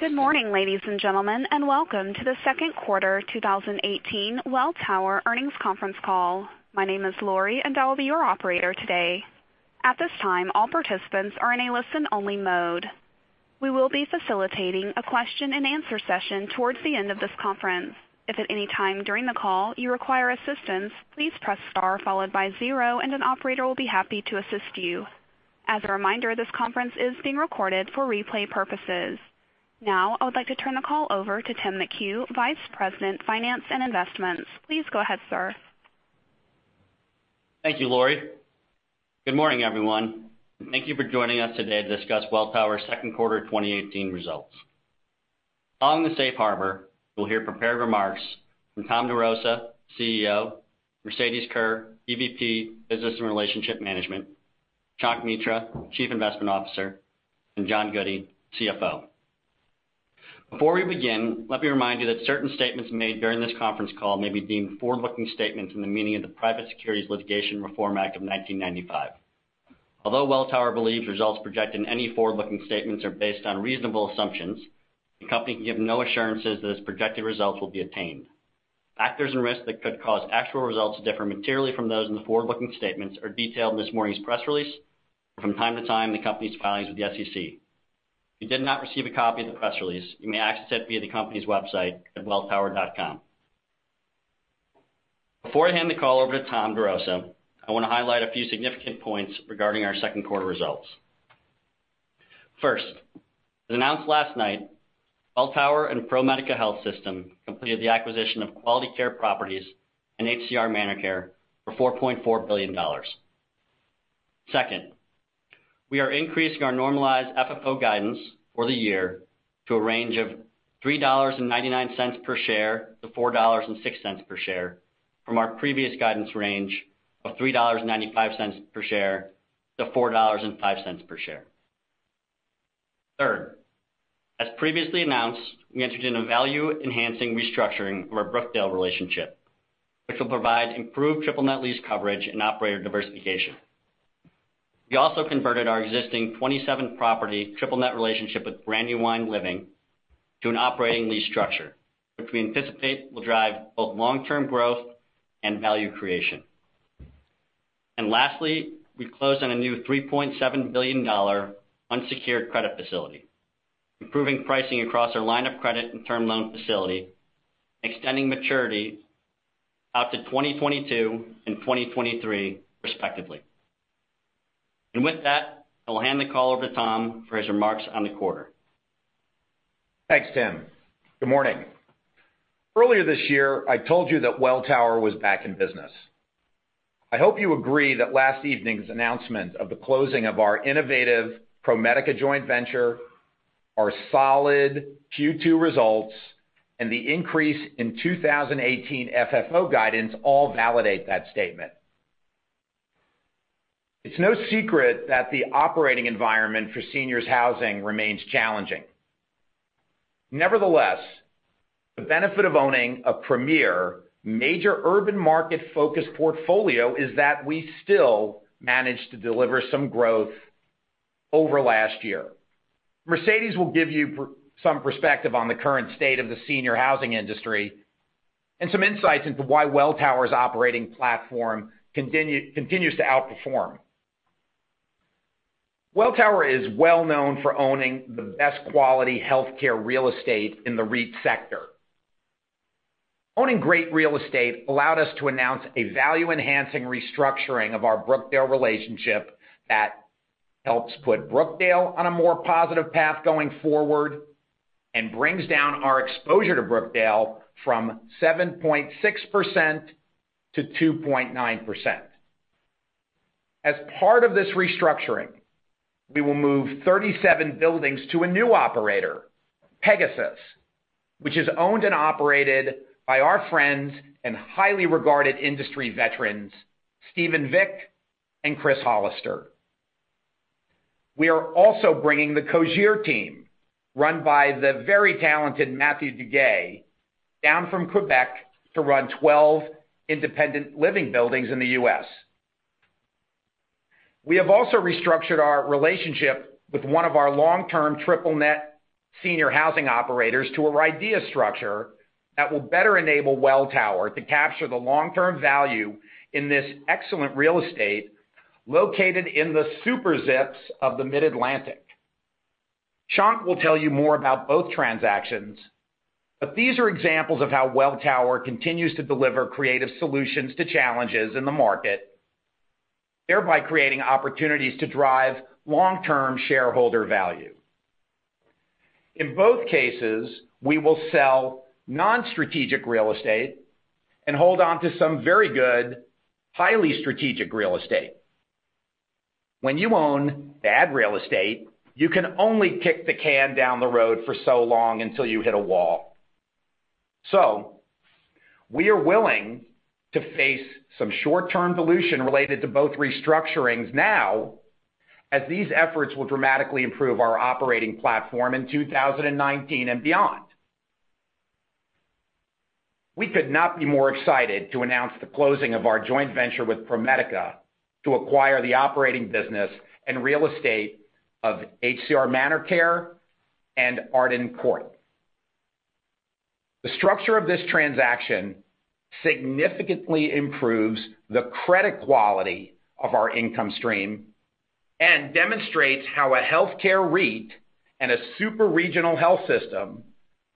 Good morning, ladies and gentlemen, and welcome to the second quarter 2018 Welltower earnings conference call. My name is Lori, and I will be your operator today. At this time, all participants are in a listen-only mode. We will be facilitating a question and answer session towards the end of this conference. If at any time during the call you require assistance, please press star followed by 0, and an operator will be happy to assist you. As a reminder, this conference is being recorded for replay purposes. Now, I would like to turn the call over to Tim McHugh, Vice President, Finance and Investments. Please go ahead, sir. Thank you, Lori. Good morning, everyone. Thank you for joining us today to discuss Welltower's second quarter 2018 results. Following the safe harbor, we'll hear prepared remarks from Thomas DeRosa, CEO, Mercedes Kerr, EVP, Business and Relationship Management, Shankh Mitra, Chief Investment Officer, and John Goodey, CFO. Before we begin, let me remind you that certain statements made during this conference call may be deemed forward-looking statements in the meaning of the Private Securities Litigation Reform Act of 1995. Although Welltower believes results projected in any forward-looking statements are based on reasonable assumptions, the company can give no assurances that its projected results will be attained. Factors and risks that could cause actual results to differ materially from those in the forward-looking statements are detailed in this morning's press release, or from time to time in the company's filings with the SEC. If you did not receive a copy of the press release, you may access it via the company's website at welltower.com. Before I hand the call over to Thomas DeRosa, I want to highlight a few significant points regarding our second quarter results. First, as announced last night, Welltower and ProMedica Health System completed the acquisition of Quality Care Properties and HCR ManorCare for $4.4 billion. Second, we are increasing our normalized FFO guidance for the year to a range of $3.99 per share-$4.06 per share from our previous guidance range of $3.95 per share-$4.05 per share. Third, as previously announced, we entered into a value-enhancing restructuring of our Brookdale relationship, which will provide improved triple-net lease coverage and operator diversification. We also converted our existing 27-property triple-net relationship with Brandywine Living to an operating lease structure, which we anticipate will drive both long-term growth and value creation. Lastly, we closed on a new $3.7 billion unsecured credit facility, improving pricing across our line of credit and term loan facility, extending maturity out to 2022 and 2023, respectively. With that, I will hand the call over to Tom for his remarks on the quarter. Thanks, Tim. Good morning. Earlier this year, I told you that Welltower was back in business. I hope you agree that last evening's announcement of the closing of our innovative ProMedica joint venture, our solid Q2 results, and the increase in 2018 FFO guidance all validate that statement. It's no secret that the operating environment for seniors housing remains challenging. Nevertheless, the benefit of owning a premier major urban market-focused portfolio is that we still managed to deliver some growth over last year. Mercedes will give you some perspective on the current state of the senior housing industry and some insights into why Welltower's operating platform continues to outperform. Welltower is well known for owning the best quality healthcare real estate in the REIT sector. Owning great real estate allowed us to announce a value-enhancing restructuring of our Brookdale relationship that helps put Brookdale on a more positive path going forward and brings down our exposure to Brookdale from 7.6% to 2.9%. As part of this restructuring, we will move 37 buildings to a new operator, Pegasus, which is owned and operated by our friends and highly regarded industry veterans, Steven Vick and Chris Hollister. We are also bringing the Cogir team, run by the very talented Mathieu Duguay, down from Quebec to run 12 independent living buildings in the U.S. We have also restructured our relationship with one of our long-term triple-net senior housing operators to a RIDEA structure that will better enable Welltower to capture the long-term value in this excellent real estate located in the Super Zips of the Mid-Atlantic. Shankh will tell you more about both transactions. These are examples of how Welltower continues to deliver creative solutions to challenges in the market, thereby creating opportunities to drive long-term shareholder value. In both cases, we will sell non-strategic real estate and hold on to some very good, highly strategic real estate. When you own bad real estate, you can only kick the can down the road for so long until you hit a wall. We are willing to face some short-term dilution related to both restructurings now, as these efforts will dramatically improve our operating platform in 2019 and beyond. We could not be more excited to announce the closing of our joint venture with ProMedica to acquire the operating business and real estate of HCR ManorCare and Arden Courts. The structure of this transaction significantly improves the credit quality of our income stream and demonstrates how a healthcare REIT and a super-regional health system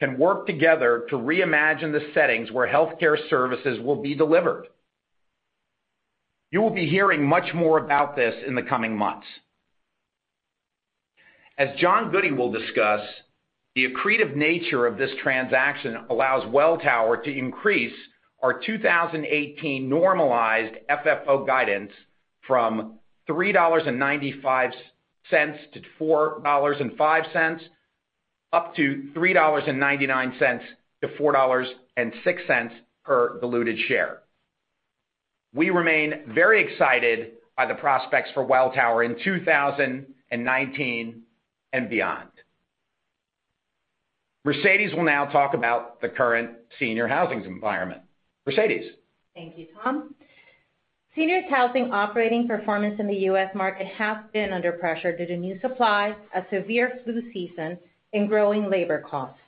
can work together to reimagine the settings where healthcare services will be delivered. You will be hearing much more about this in the coming months. As John Goodey will discuss, the accretive nature of this transaction allows Welltower to increase our 2018 normalized FFO guidance from $3.95 to $4.05, up to $3.99 to $4.06 per diluted share. We remain very excited by the prospects for Welltower in 2019 and beyond. Mercedes will now talk about the current senior housing environment. Mercedes. Thank you, Tom. Senior housing operating performance in the U.S. market has been under pressure due to new supply, a severe flu season, and growing labor costs.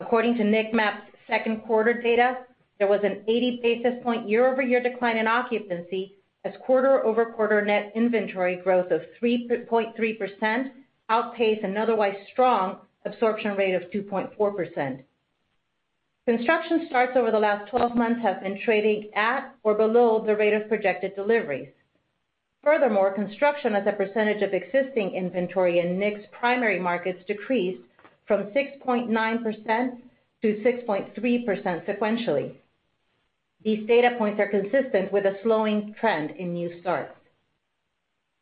According to NIC MAP's second quarter data, there was an 80 basis point year-over-year decline in occupancy as quarter-over-quarter net inventory growth of 3.3% outpaced an otherwise strong absorption rate of 2.4%. Construction starts over the last 12 months have been trading at or below the rate of projected deliveries. Furthermore, construction as a percentage of existing inventory in NIC's primary markets decreased from 6.9% to 6.3% sequentially. These data points are consistent with a slowing trend in new starts.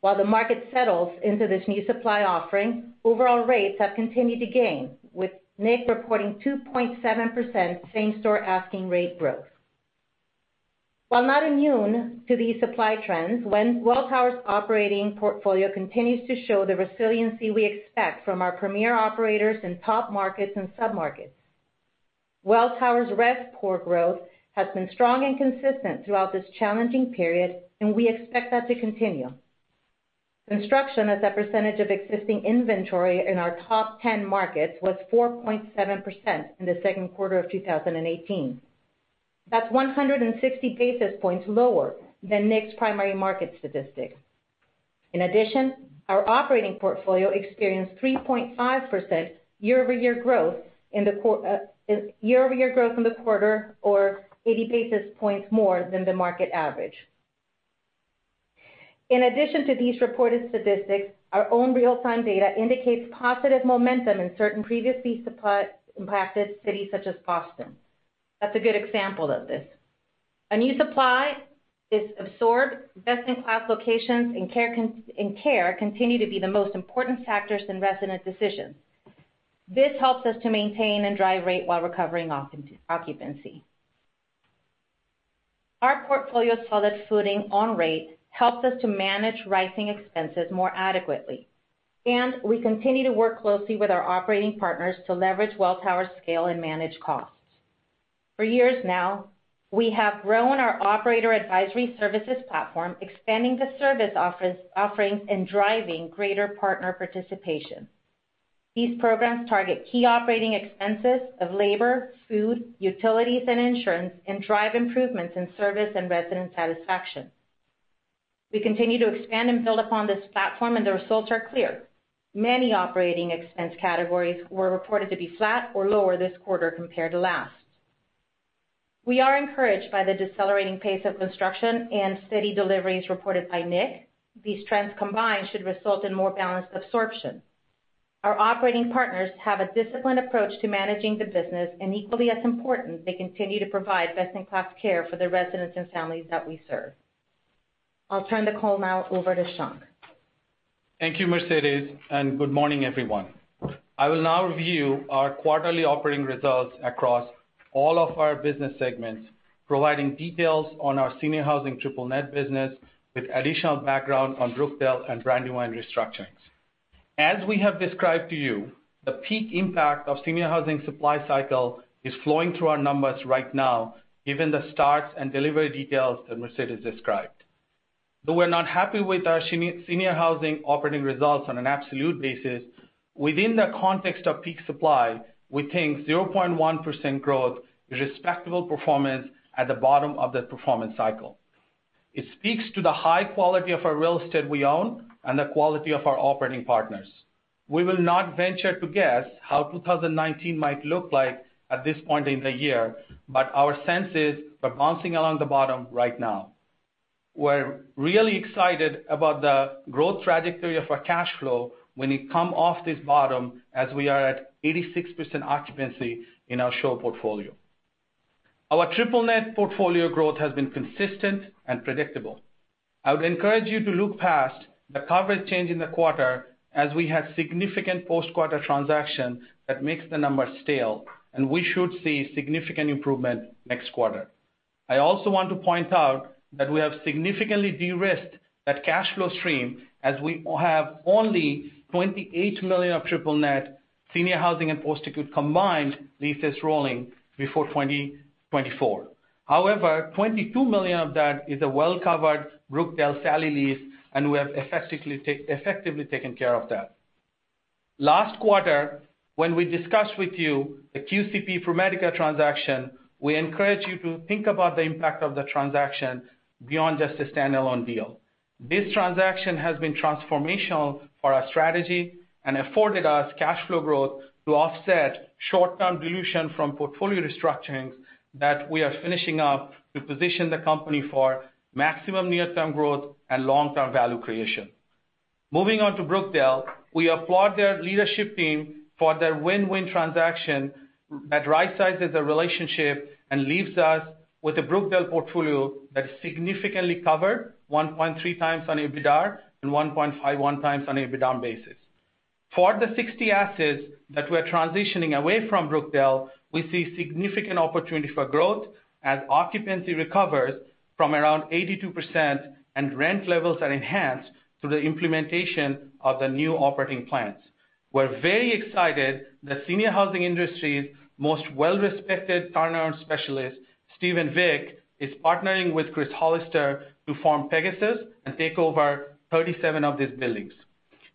While the market settles into this new supply offering, overall rates have continued to gain, with NIC reporting 2.7% same-store asking rate growth. While not immune to these supply trends, Welltower's operating portfolio continues to show the resiliency we expect from our premier operators in top markets and sub-markets. Welltower's RevPOR growth has been strong and consistent throughout this challenging period, we expect that to continue. Construction as a percentage of existing inventory in our top 10 markets was 4.7% in the second quarter of 2018. That's 160 basis points lower than NIC's primary market statistics. In addition, our operating portfolio experienced 3.5% year-over-year growth in the quarter, or 80 basis points more than the market average. In addition to these reported statistics, our own real-time data indicates positive momentum in certain previously impacted cities such as Boston. That's a good example of this. A new supply is absorbed. Best-in-class locations and care continue to be the most important factors in resident decisions. This helps us to maintain and drive rate while recovering occupancy. Our portfolio's solid footing on rate helps us to manage rising expenses more adequately, we continue to work closely with our operating partners to leverage Welltower's scale and manage costs. For years now, we have grown our operator advisory services platform, expanding the service offerings, driving greater partner participation. These programs target key operating expenses of labor, food, utilities, and insurance, drive improvements in service and resident satisfaction. We continue to expand and build upon this platform, the results are clear. Many operating expense categories were reported to be flat or lower this quarter compared to last. We are encouraged by the decelerating pace of construction and steady deliveries reported by NIC. These trends combined should result in more balanced absorption. Our operating partners have a disciplined approach to managing the business, equally as important, they continue to provide best-in-class care for the residents and families that we serve. I'll turn the call now over to Shankh. Thank you, Mercedes, and good morning, everyone. I will now review our quarterly operating results across all of our business segments, providing details on our senior housing triple net business with additional background on Brookdale and Brandywine restructurings. As we have described to you, the peak impact of senior housing supply cycle is flowing through our numbers right now, given the starts and delivery details that Mercedes described. Though we're not happy with our senior housing operating results on an absolute basis, within the context of peak supply, we think 0.1% growth is respectable performance at the bottom of the performance cycle. It speaks to the high quality of our real estate we own and the quality of our operating partners. We will not venture to guess how 2019 might look like at this point in the year, but our sense is we're bouncing along the bottom right now. We're really excited about the growth trajectory of our cash flow when we come off this bottom as we are at 86% occupancy in our SHOW portfolio. Our triple net portfolio growth has been consistent and predictable. I would encourage you to look past the coverage change in the quarter as we had significant post-quarter transactions that makes the numbers stale, and we should see significant improvement next quarter. I also want to point out that we have significantly de-risked that cash flow stream as we have only $28 million of triple net senior housing and post-acute combined leases rolling before 2024. However, $22 million of that is a well-covered Brookdale sale lease, and we have effectively taken care of that. Last quarter, when we discussed with you the QCP ProMedica transaction, we encouraged you to think about the impact of the transaction beyond just a standalone deal. This transaction has been transformational for our strategy and afforded us cash flow growth to offset short-term dilution from portfolio restructurings that we are finishing up to position the company for maximum near-term growth and long-term value creation. Moving on to Brookdale, we applaud their leadership team for their win-win transaction that rightsizes their relationship and leaves us with a Brookdale portfolio that's significantly covered, 1.3 times on EBITDA and 1.51 times on an EBITDAR basis. For the 60 assets that we're transitioning away from Brookdale, we see significant opportunity for growth as occupancy recovers from around 82% and rent levels are enhanced through the implementation of the new operating plans. We're very excited the senior housing industry's most well-respected turnaround specialist, Steven Vick, is partnering with Chris Hollister to form Pegasus and take over 37 of these buildings.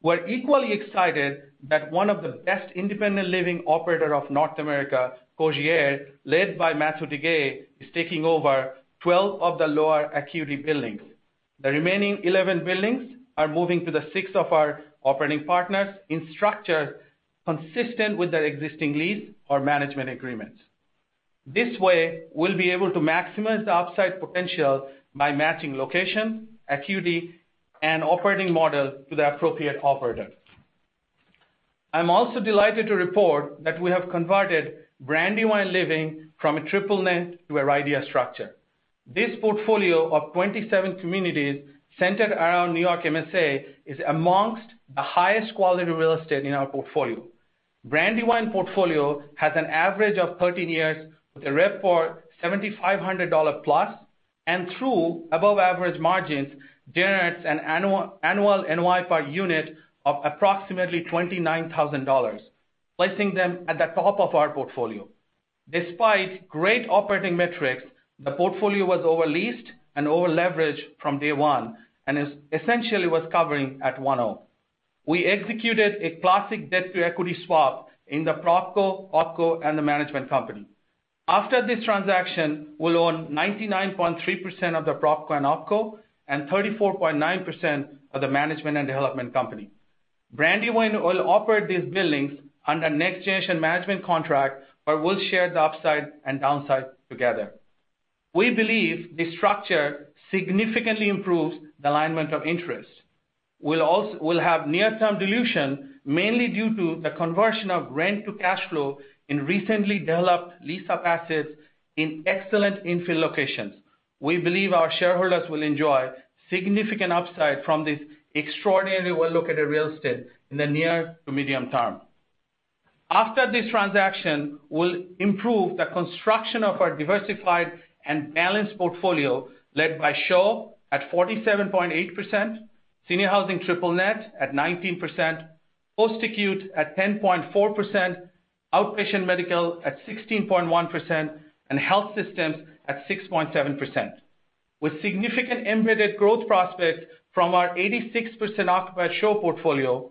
We're equally excited that one of the best independent living operator of North America, Cogir, led by Mathieu Duguay, is taking over 12 of the lower acuity buildings. The remaining 11 buildings are moving to the six of our operating partners in structures consistent with their existing lease or management agreements. This way, we'll be able to maximize the upside potential by matching location, acuity, and operating model to the appropriate operator. I'm also delighted to report that we have converted Brandywine Living from a triple net to a RIDEA structure. This portfolio of 27 communities centered around New York MSA is amongst the highest quality real estate in our portfolio. Brandywine portfolio has an average of 13 years with a RevPAR $7,500 plus, and through above average margins, generates an annual NOI per unit of approximately $29,000, placing them at the top of our portfolio. Despite great operating metrics, the portfolio was over-leased and over-leveraged from day one and essentially was covering at 1.0. We executed a classic debt-to-equity swap in the PropCo, OpCo, and the management company. After this transaction, we'll own 99.3% of the PropCo and OpCo and 34.9% of the management and development company. Brandywine will operate these buildings under next-generation management contract but will share the upside and downside together. We believe this structure significantly improves the alignment of interests. We'll have near-term dilution mainly due to the conversion of rent to cash flow in recently developed lease-up assets in excellent infill locations. We believe our shareholders will enjoy significant upside from this extraordinarily well-located real estate in the near to medium term. After this transaction, we'll improve the construction of our diversified and balanced portfolio led by SHOW at 47.8%, senior housing triple-net at 19%, post-acute at 10.4%, outpatient medical at 16.1%, and health systems at 6.7%. With significant embedded growth prospects from our 86% occupied SHOW portfolio,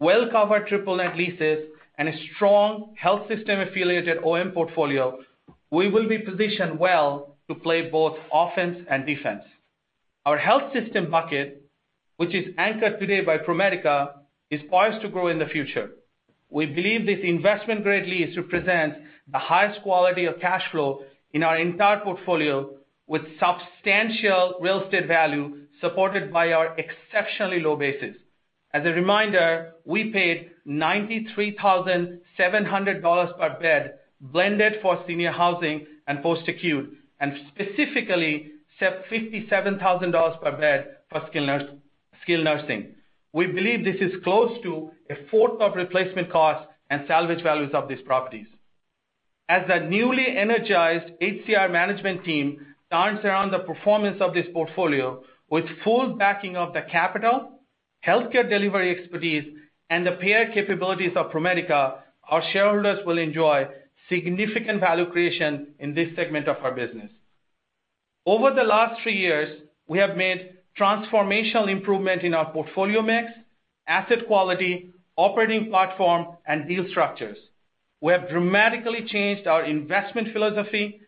well-covered triple-net leases and a strong health system-affiliated OM portfolio, we will be positioned well to play both offense and defense. Our health system bucket, which is anchored today by ProMedica, is poised to grow in the future. We believe this investment-grade lease represents the highest quality of cash flow in our entire portfolio with substantial real estate value supported by our exceptionally low basis. As a reminder, we paid $93,700 per bed blended for senior housing and post-acute, and specifically $57,000 per bed for skilled nursing. We believe this is close to a fourth of replacement cost and salvage values of these properties. As a newly energized HCR management team turns around the performance of this portfolio with full backing of the capital, healthcare delivery expertise, and the peer capabilities of ProMedica, our shareholders will enjoy significant value creation in this segment of our business. Over the last three years, we have made transformational improvement in our portfolio mix, asset quality, operating platform, and deal structures. We have dramatically changed our investment philosophy,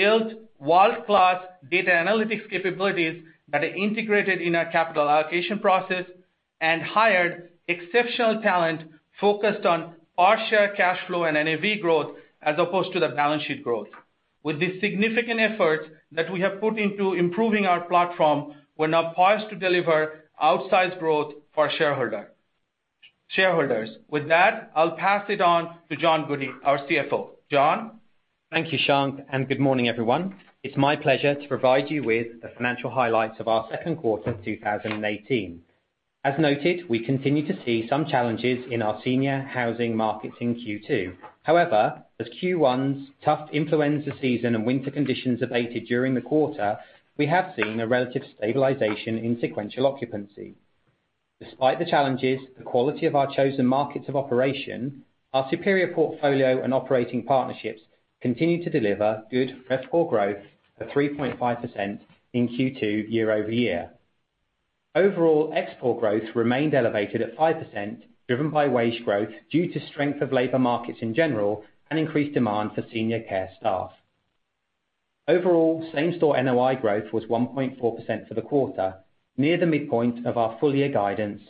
built world-class data analytics capabilities that are integrated in our capital allocation process, and hired exceptional talent focused on our share cash flow and NAV growth as opposed to the balance sheet growth. With the significant effort that we have put into improving our platform, we're now poised to deliver outsized growth for our shareholders. With that, I'll pass it on to John Goodey, our CFO. John? Thank you, Shankh, good morning, everyone. It's my pleasure to provide you with the financial highlights of our second quarter 2018. As noted, we continue to see some challenges in our senior housing markets in Q2. However, as Q1's tough influenza season and winter conditions abated during the quarter, we have seen a relative stabilization in sequential occupancy. Despite the challenges, the quality of our chosen markets of operation, our superior portfolio and operating partnerships continue to deliver good RevPAR growth of 3.5% in Q2 year-over-year. Overall, expense growth remained elevated at 5%, driven by wage growth due to strength of labor markets in general and increased demand for senior care staff. Same-store NOI growth was 1.4% for the quarter, near the midpoint of our full year guidance.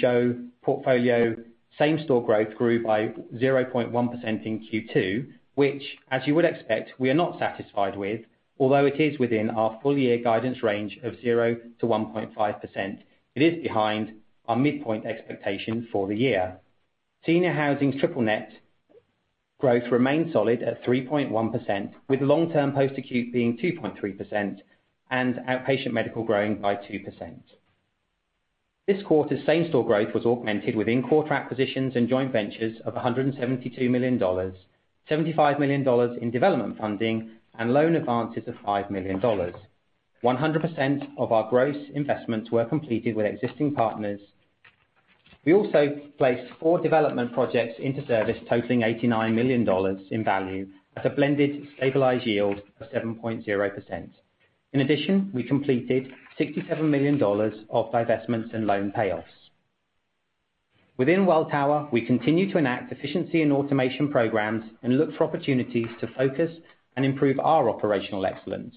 SHOW portfolio same-store growth grew by 0.1% in Q2, which, as you would expect, we are not satisfied with, although it is within our full year guidance range of 0%-1.5%, it is behind our midpoint expectation for the year. Senior housing's triple net growth remained solid at 3.1%, with long-term post-acute being 2.3% and outpatient medical growing by 2%. This quarter's same-store growth was augmented with in-quarter acquisitions and joint ventures of $172 million, $75 million in development funding and loan advances of $5 million. 100% of our gross investments were completed with existing partners. We also placed four development projects into service totaling $89 million in value at a blended stabilized yield of 7.0%. In addition, we completed $67 million of divestments and loan payoffs. Within Welltower, we continue to enact efficiency and automation programs and look for opportunities to focus and improve our operational excellence.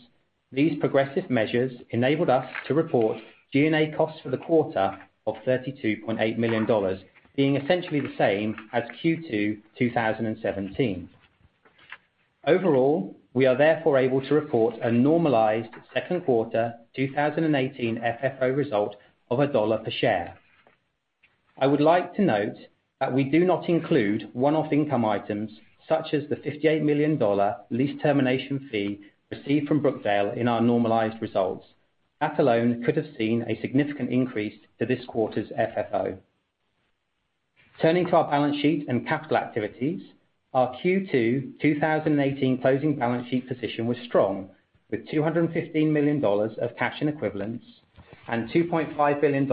These progressive measures enabled us to report G&A costs for the quarter of $32.8 million, being essentially the same as Q2 2017. We are therefore able to report a normalized second quarter 2018 FFO result of $1.00 per share. I would like to note that we do not include one-off income items such as the $58 million lease termination fee received from Brookdale in our normalized results. That alone could have seen a significant increase to this quarter's FFO. Turning to our balance sheet and capital activities, our Q2 2018 closing balance sheet position was strong, with $215 million of cash and equivalents and $2.5 billion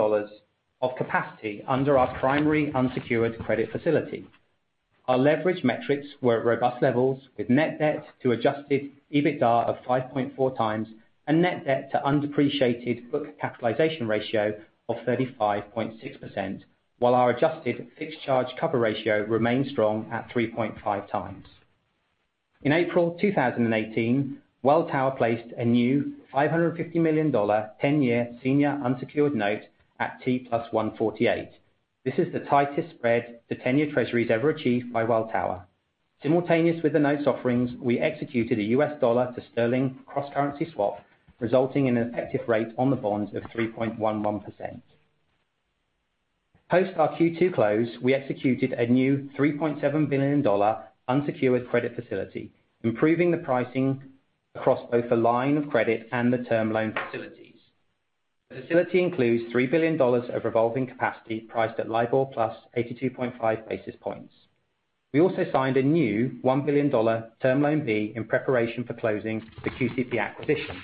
of capacity under our primary unsecured credit facility. Our leverage metrics were at robust levels, with net debt to adjusted EBITDA of 5.4 times and net debt to undepreciated book capitalization ratio of 35.6%, while our adjusted fixed charge cover ratio remained strong at 3.5 times. In April 2018, Welltower placed a new $550 million 10-year senior unsecured note at T plus 148. This is the tightest spread to 10-year Treasuries ever achieved by Welltower. Simultaneous with the notes offerings, we executed a U.S. dollar to GBP cross-currency swap, resulting in an effective rate on the bonds of 3.11%. Post our Q2 close, we executed a new $3.7 billion unsecured credit facility, improving the pricing across both the line of credit and the term loan facilities. The facility includes $3 billion of revolving capacity priced at LIBOR plus 82.5 basis points. We also signed a new $1 billion TLB in preparation for closing the QCP acquisition.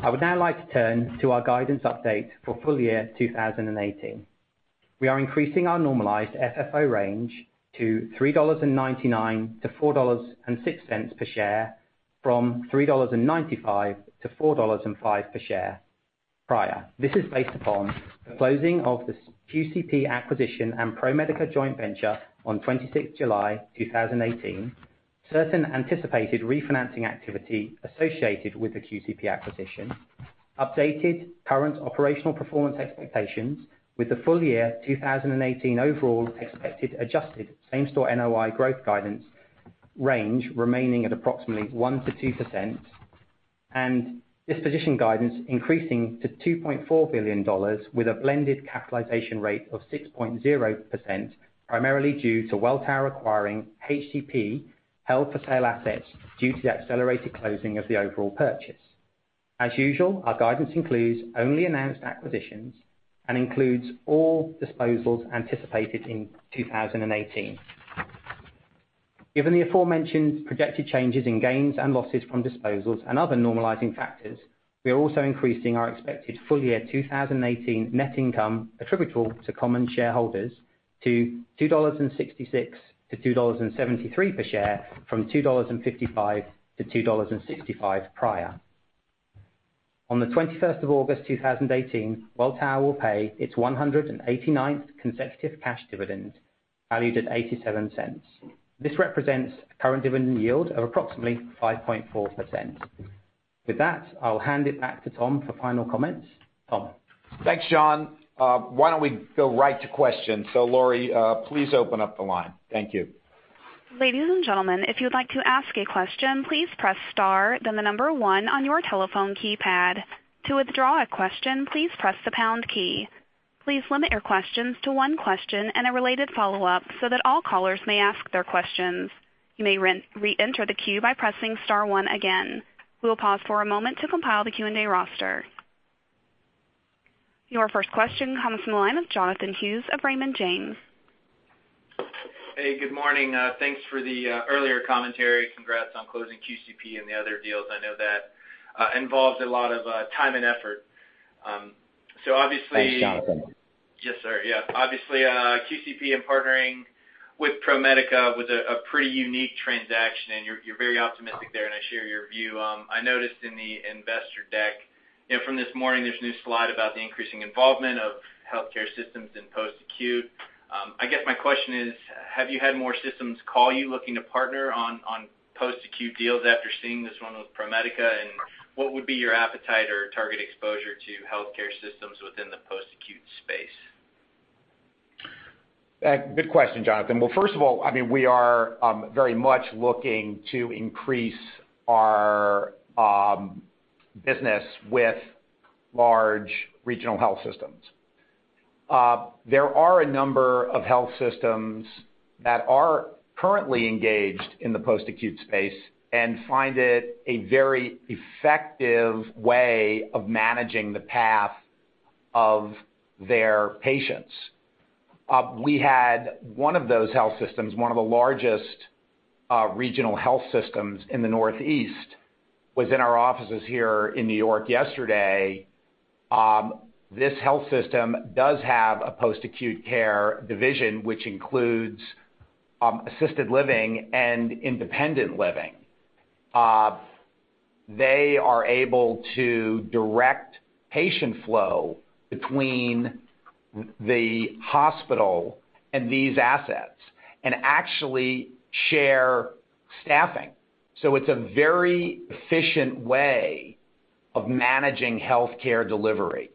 I would now like to turn to our guidance update for full year 2018. We are increasing our normalized FFO range to $3.99-$4.06 per share from $3.95-$4.05 per share prior. This is based upon the closing of this QCP acquisition and ProMedica joint venture on 26th July 2018, certain anticipated refinancing activity associated with the QCP acquisition, updated current operational performance expectations with the full year 2018 overall expected adjusted same-store NOI growth guidance range remaining at approximately 1%-2%, and disposition guidance increasing to $2.4 billion with a blended capitalization rate of 6.0%, primarily due to Welltower acquiring HCP held-for-sale assets due to the accelerated closing of the overall purchase. As usual, our guidance includes only announced acquisitions and includes all disposals anticipated in 2018. Given the aforementioned projected changes in gains and losses from disposals and other normalizing factors, we are also increasing our expected full year 2018 net income attributable to common shareholders to $2.66-$2.73 per share from $2.55-$2.65 prior. On the 21st of August 2018, Welltower will pay its 189th consecutive cash dividend, valued at $0.87. This represents a current dividend yield of approximately 5.4%. With that, I will hand it back to Tom for final comments. Tom? Thanks, John. Why don't we go right to questions? Lori, please open up the line. Thank you. Ladies and gentlemen, if you would like to ask a question, please press star, then the number 1 on your telephone keypad. To withdraw a question, please press the pound key. Please limit your questions to one question and a related follow-up so that all callers may ask their questions. You may re-enter the queue by pressing star 1 again. We will pause for a moment to compile the Q&A roster. Your first question comes from the line of Jonathan Hughes of Raymond James. Good morning. Thanks for the earlier commentary. Congrats on closing QCP and the other deals. I know that involves a lot of time and effort. Thanks, Jonathan. Yes, sir. Yeah. Obviously, QCP and partnering with ProMedica was a pretty unique transaction, and you're very optimistic there, and I share your view. I noticed in the investor deck from this morning, there's a new slide about the increasing involvement of healthcare systems in post-acute. I guess my question is, have you had more systems call you looking to partner on post-acute deals after seeing this one with ProMedica? What would be your appetite or target exposure to healthcare systems within the post-acute space? Good question, Jonathan. Well, first of all, we are very much looking to increase our business with large regional health systems. There are a number of health systems that are currently engaged in the post-acute space and find it a very effective way of managing the path of their patients. We had one of those health systems, one of the largest regional health systems in the Northeast, was in our offices here in New York yesterday. This health system does have a post-acute care division, which includes assisted living and independent living. They are able to direct patient flow between the hospital and these assets and actually share staffing. It's a very efficient way of managing healthcare delivery.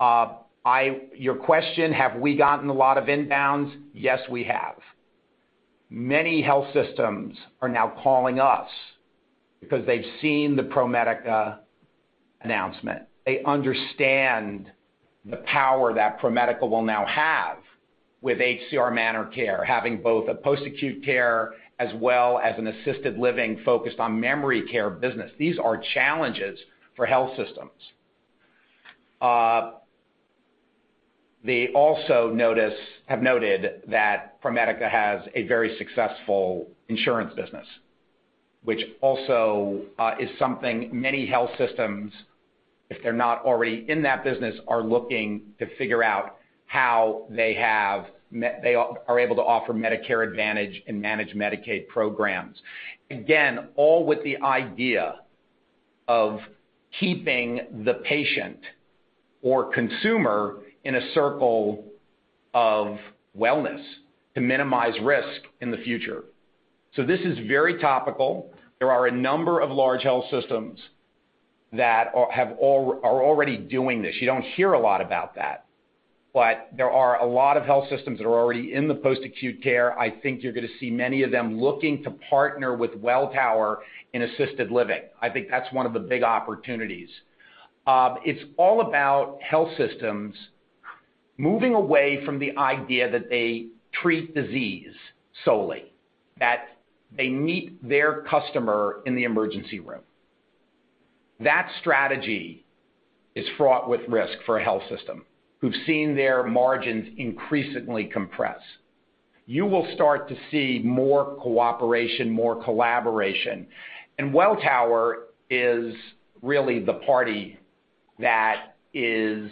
Your question, have we gotten a lot of inbounds? Yes, we have. Many health systems are now calling us because they've seen the ProMedica announcement. They understand the power that ProMedica will now have with HCR ManorCare, having both a post-acute care as well as an assisted living focused on memory care business. These are challenges for health systems. They also have noted that ProMedica has a very successful insurance business, which also is something many health systems, if they're not already in that business, are looking to figure out how they are able to offer Medicare Advantage and manage Medicaid programs. Again, all with the idea of keeping the patient or consumer in a circle of wellness to minimize risk in the future. This is very topical. There are a number of large health systems that are already doing this. You don't hear a lot about that, but there are a lot of health systems that are already in the post-acute care. I think you're going to see many of them looking to partner with Welltower in assisted living. I think that's one of the big opportunities. It's all about health systems moving away from the idea that they treat disease solely, that they meet their customer in the emergency room. That strategy is fraught with risk for a health system who've seen their margins increasingly compress. You will start to see more cooperation, more collaboration. Welltower is really the party that is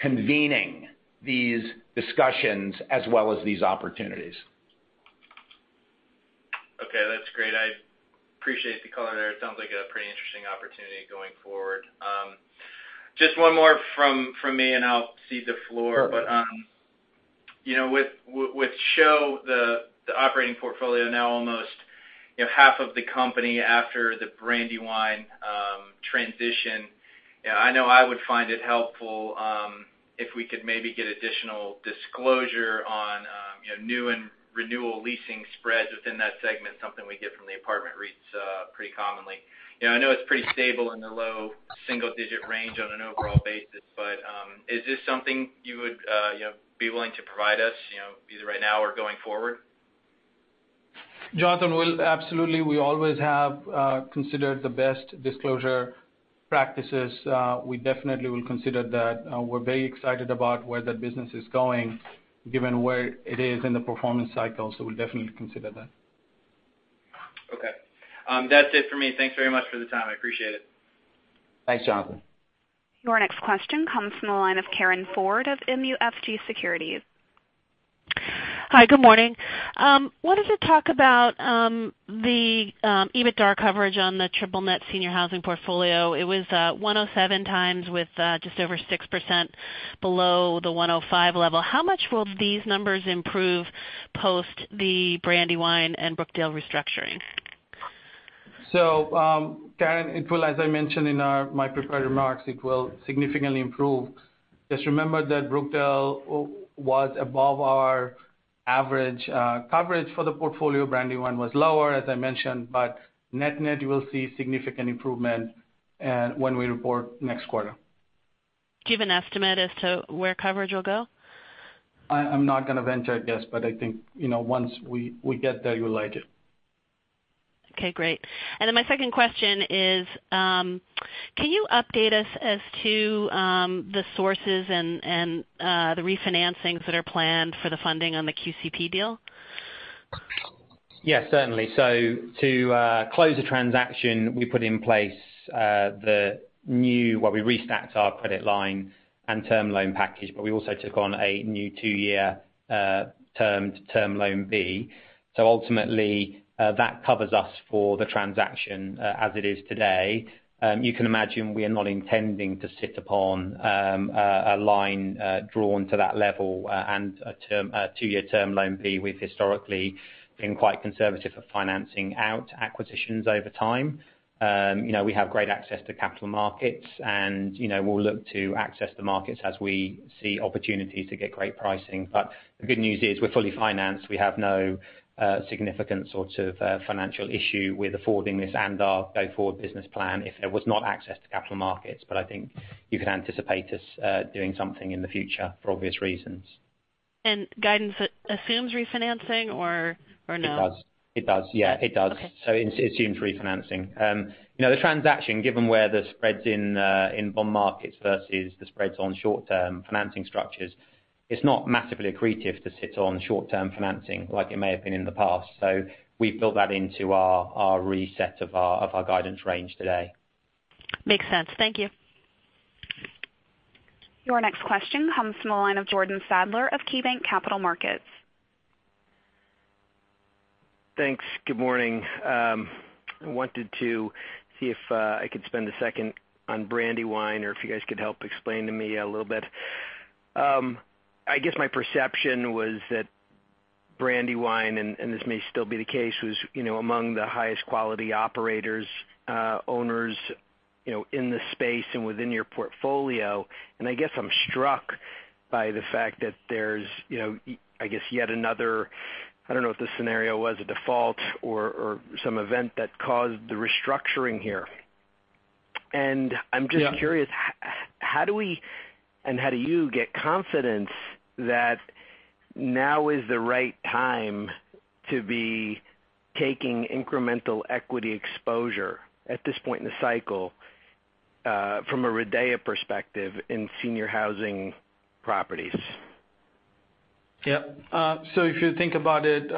convening these discussions as well as these opportunities. That's great. I appreciate the color there. It sounds like a pretty interesting opportunity going forward. One more from me, and I'll cede the floor. Sure. With SHOW, the operating portfolio now almost half of the company after the Brandywine transition, I know I would find it helpful if we could maybe get additional disclosure on new and renewal leasing spreads within that segment, something we get from the apartment REITs pretty commonly. I know it's pretty stable in the low single-digit range on an overall basis, but is this something you would be willing to provide us, either right now or going forward? Jonathan, absolutely. We always have considered the best disclosure practices. We definitely will consider that. We're very excited about where that business is going, given where it is in the performance cycle, so we'll definitely consider that. Okay. That's it for me. Thanks very much for the time. I appreciate it. Thanks, Jonathan. Your next question comes from the line of Karin Ford of MUFG Securities. Hi, good morning. I wanted to talk about the EBITDAR coverage on the triple net senior housing portfolio. It was 107 times with just over 6% below the 105 level. How much will these numbers improve post the Brandywine and Brookdale restructuring? Karin, as I mentioned in my prepared remarks, it will significantly improve. Just remember that Brookdale was above our average coverage for the portfolio, Brandywine was lower, as I mentioned, but net-net, you will see significant improvement when we report next quarter. Do you have an estimate as to where coverage will go? I'm not going to venture a guess, but I think, once we get there, you will like it. Okay, great. My second question is, can you update us as to the sources and the refinancings that are planned for the funding on the QCP deal? Yes, certainly. To close the transaction, we restacked our credit line and term loan package, we also took on a new 2-year term to term loan B. Ultimately, that covers us for the transaction as it is today. You can imagine we are not intending to sit upon a line drawn to that level and a 2-year term loan B. We've historically been quite conservative for financing out acquisitions over time. We have great access to capital markets, and we'll look to access the markets as we see opportunities to get great pricing. The good news is we're fully financed. We have no significant sorts of financial issue with affording this and our go-forward business plan if there was not access to capital markets. I think you can anticipate us doing something in the future for obvious reasons. Guidance assumes refinancing or no? It does. It assumes refinancing. The transaction, given where the spreads in bond markets versus the spreads on short-term financing structures, it's not massively accretive to sit on short-term financing like it may have been in the past. We've built that into our reset of our guidance range today. Makes sense. Thank you. Your next question comes from the line of Jordan Sadler of KeyBanc Capital Markets. Thanks. Good morning. I wanted to see if I could spend a second on Brandywine, or if you guys could help explain to me a little bit. I guess my perception was that Brandywine, and this may still be the case, was among the highest quality operators, owners, in the space and within your portfolio. I guess I'm struck by the fact that there's yet another, I don't know if the scenario was a default or some event that caused the restructuring here. I'm just curious, how do we and how do you get confidence that now is the right time to be taking incremental equity exposure at this point in the cycle from a RIDEA perspective in senior housing properties? Yeah. If you think about it,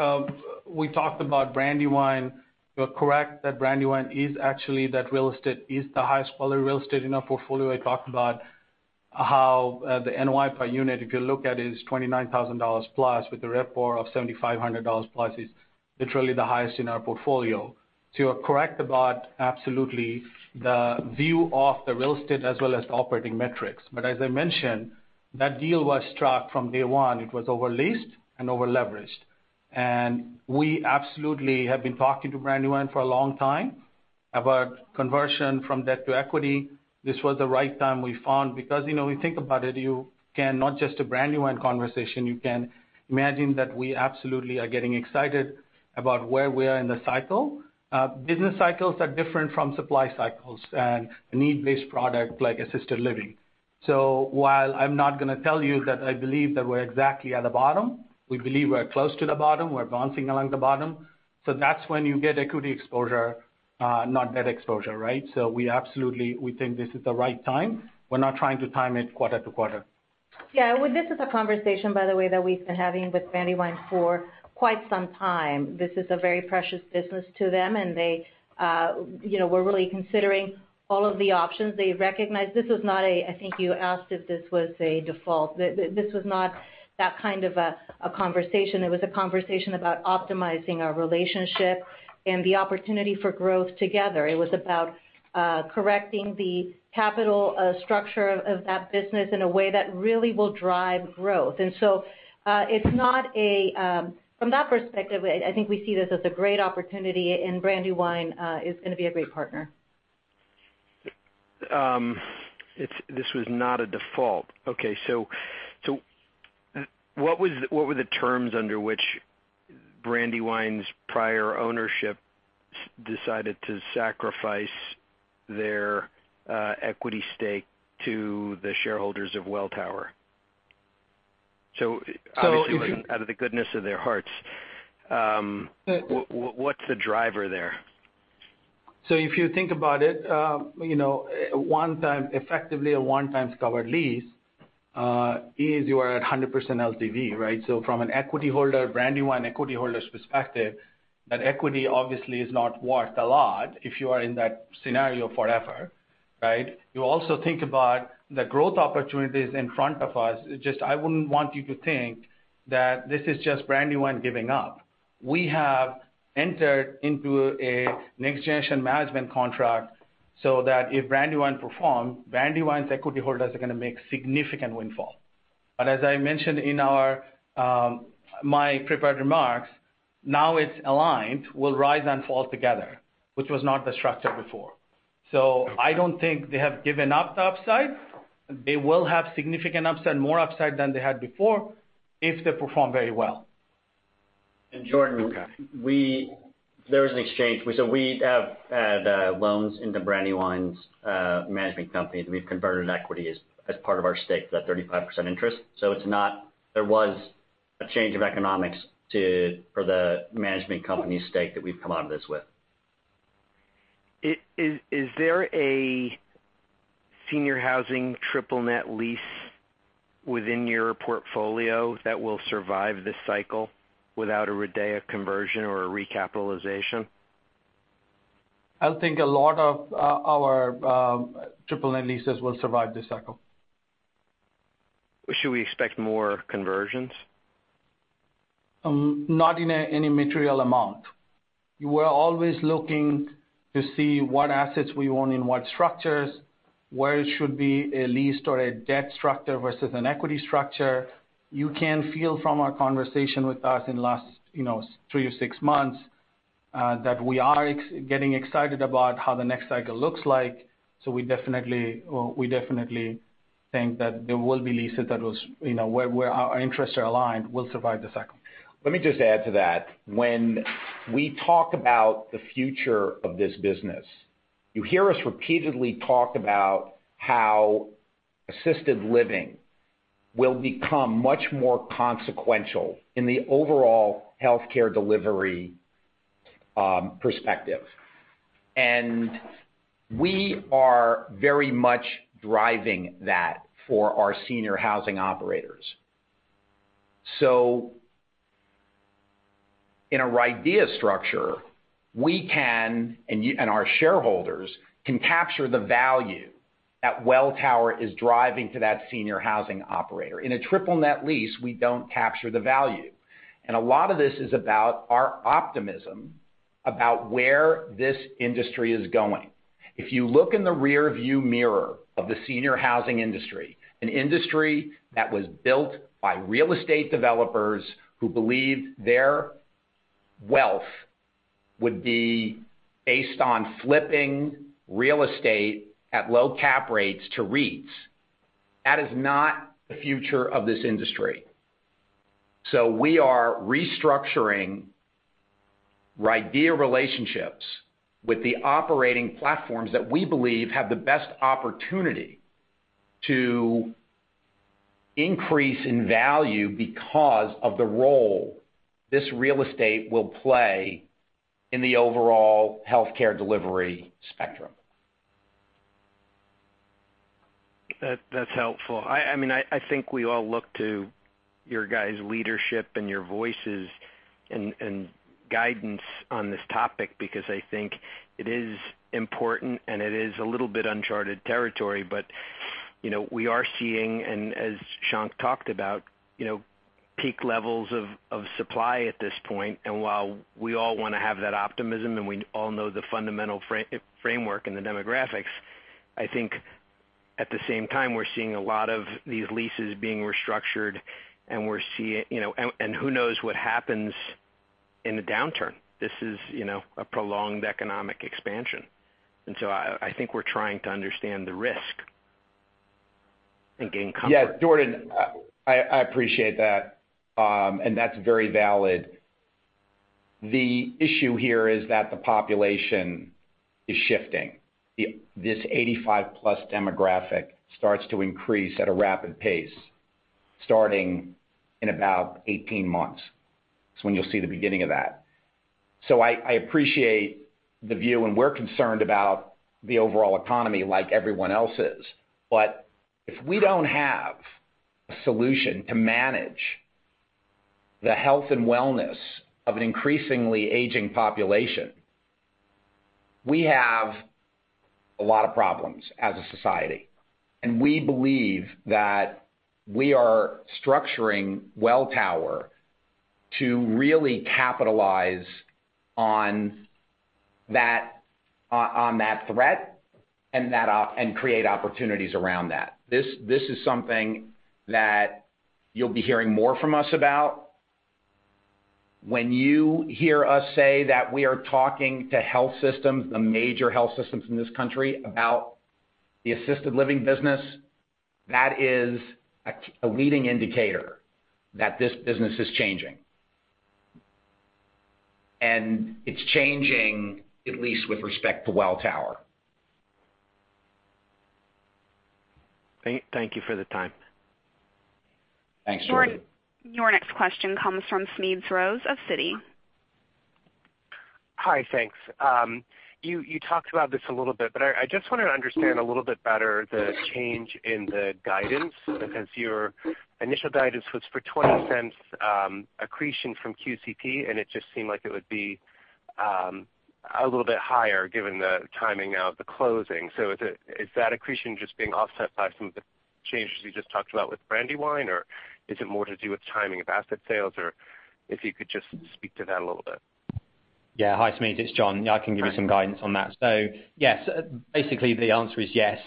we talked about Brandywine. You are correct that Brandywine is actually that real estate is the highest quality real estate in our portfolio. I talked about how the NOI per unit, if you look at is $29,000+ with a RevPAR of $7,500+ is literally the highest in our portfolio. As I mentioned, that deal was struck from day one. It was over-leased and over-leveraged. We absolutely have been talking to Brandywine for a long time about conversion from debt to equity. This was the right time we found because, if you think about it, you can, not just a Brandywine conversation, you can imagine that we absolutely are getting excited about where we are in the cycle. Business cycles are different from supply cycles and a need-based product like assisted living. While I'm not going to tell you that I believe that we're exactly at the bottom, we believe we're close to the bottom, we're bouncing along the bottom. That's when you get equity exposure, not debt exposure, right? We absolutely think this is the right time. We're not trying to time it quarter to quarter. Well, this is a conversation, by the way, that we've been having with Brandywine for quite some time. This is a very precious business to them, and they were really considering all of the options. They recognize this was not a, I think you asked if this was a default. This was not that kind of a conversation. It was a conversation about optimizing our relationship and the opportunity for growth together. It was about correcting the capital structure of that business in a way that really will drive growth. From that perspective, I think we see this as a great opportunity, and Brandywine is going to be a great partner. This was not a default. Okay. What were the terms under which Brandywine's prior ownership decided to sacrifice their equity stake to the shareholders of Welltower? Obviously it wasn't out of the goodness of their hearts. What's the driver there? If you think about it, effectively a one-time covered lease is you are at 100% LTV, right? From a Brandywine equity holder's perspective, that equity obviously is not worth a lot if you are in that scenario forever, right? You also think about the growth opportunities in front of us. Just I wouldn't want you to think that this is just Brandywine giving up. We have entered into a next-generation management contract so that if Brandywine performs, Brandywine's equity holders are going to make significant windfall. As I mentioned in my prepared remarks, now it's aligned, we'll rise and fall together, which was not the structure before. I don't think they have given up the upside. They will have significant upside, more upside than they had before, if they perform very well. Jordan, there was an exchange. We have had loans in the Brandywine's management company that we've converted in equity as part of our stake, that 35% interest. There was a change of economics for the management company stake that we've come out of this with. Is there a senior housing triple net lease within your portfolio that will survive this cycle without a RIDEA conversion or a recapitalization? I think a lot of our triple net leases will survive this cycle. Should we expect more conversions? Not in any material amount. We're always looking to see what assets we want in what structures, where it should be a lease or a debt structure versus an equity structure. You can feel from our conversation with us in the last three to six months that we are getting excited about how the next cycle looks like. We definitely think that there will be leases where our interests are aligned, will survive the cycle. Let me just add to that. When we talk about the future of this business, you hear us repeatedly talk about how assisted living will become much more consequential in the overall healthcare delivery perspective. We are very much driving that for our senior housing operators. In a RIDEA structure, we can, and our shareholders can capture the value that Welltower is driving to that senior housing operator. In a triple net lease, we don't capture the value. A lot of this is about our optimism about where this industry is going. If you look in the rear view mirror of the senior housing industry, an industry that was built by real estate developers who believed their wealth would be based on flipping real estate at low cap rates to REITs. That is not the future of this industry. We are restructuring RIDEA relationships with the operating platforms that we believe have the best opportunity to increase in value because of the role this real estate will play in the overall healthcare delivery spectrum. That's helpful. I think we all look to your guys' leadership and your voices and guidance on this topic because I think it is important, and it is a little bit uncharted territory. We are seeing, and as Shankh talked about, peak levels of supply at this point. While we all want to have that optimism and we all know the fundamental framework and the demographics, I think at the same time, we're seeing a lot of these leases being restructured, and who knows what happens in the downturn? This is a prolonged economic expansion. I think we're trying to understand the risk and gain comfort. Jordan, I appreciate that. That's very valid. The issue here is that the population is shifting. This 85-plus demographic starts to increase at a rapid pace, starting in about 18 months. That's when you'll see the beginning of that. I appreciate the view, and we're concerned about the overall economy like everyone else is. If we don't have a solution to manage the health and wellness of an increasingly aging population, we have a lot of problems as a society. We believe that we are structuring Welltower to really capitalize on that threat and create opportunities around that. This is something that you'll be hearing more from us about. When you hear us say that we are talking to health systems, the major health systems in this country, about the assisted living business, that is a leading indicator that this business is changing. It's changing, at least with respect to Welltower. Thank you for the time. Thanks, Jordan. Your next question comes from Smedes Rose of Citi. Hi, thanks. You talked about this a little bit, but I just wanted to understand a little bit better the change in the guidance, because your initial guidance was for $0.20 accretion from QCP, and it just seemed like it would be a little bit higher given the timing now of the closing. Is that accretion just being offset by some of the changes you just talked about with Brandywine, or is it more to do with timing of asset sales? If you could just speak to that a little bit. Hi, Smedes, it's John. I can give you some guidance on that. Yes, basically the answer is yes.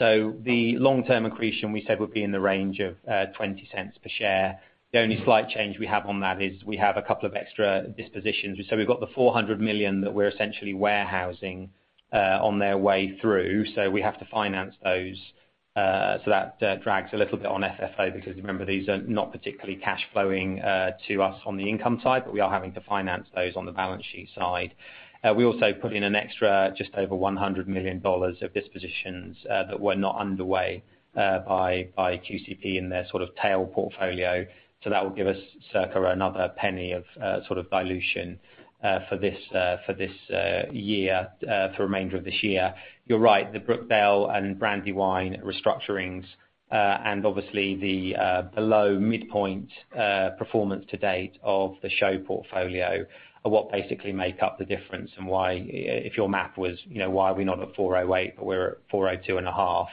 The long-term accretion we said would be in the range of $0.20 per share. The only slight change we have on that is we have a couple of extra dispositions. We've got the $400 million that we're essentially warehousing on their way through, so we have to finance those. That drags a little bit on FFO because remember, these are not particularly cash flowing to us on the income side, but we are having to finance those on the balance sheet side. We also put in an extra just over $100 million of dispositions that were not underway by QCP in their sort of tail portfolio. That will give us circa another $0.01 of sort of dilution for the remainder of this year. You're right, the Brookdale and Brandywine restructurings and obviously the below midpoint performance to date of the SHOW portfolio are what basically make up the difference and why, if your math was why are we not at $4.08 but we're at $4.02 and a half,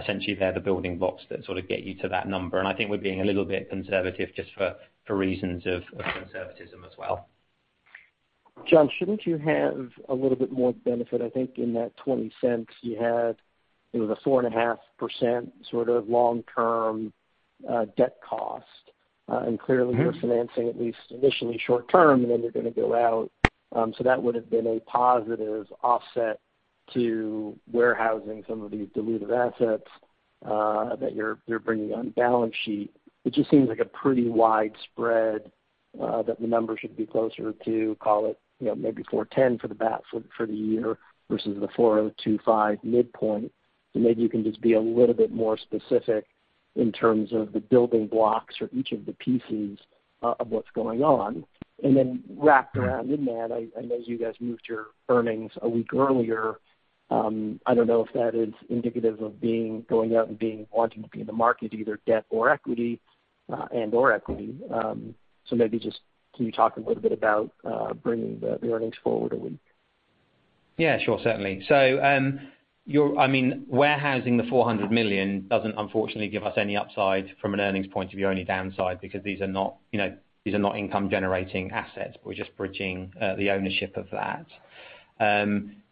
essentially they're the building blocks that sort of get you to that number. I think we're being a little bit conservative just for reasons of conservatism as well. John, shouldn't you have a little bit more benefit? I think in that $0.20 you had, it was a 4.5% sort of long-term debt cost. Clearly you're financing at least initially short-term, then you're going to go out. That would have been a positive offset to warehousing some of these dilutive assets that you're bringing on balance sheet. It just seems like a pretty wide spread that the number should be closer to call it maybe 410 for the year versus the 402.5 midpoint. Maybe you can just be a little bit more specific in terms of the building blocks or each of the pieces of what's going on. Then wrapped around in that, I know you guys moved your earnings a week earlier. I don't know if that is indicative of going out and wanting to be in the market, either debt and/or equity. Maybe just can you talk a little bit about bringing the earnings forward a week? Yeah, sure. Certainly. Warehousing the $400 million doesn't unfortunately give us any upside from an earnings point of view, only downside because these are not income generating assets. We're just bridging the ownership of that.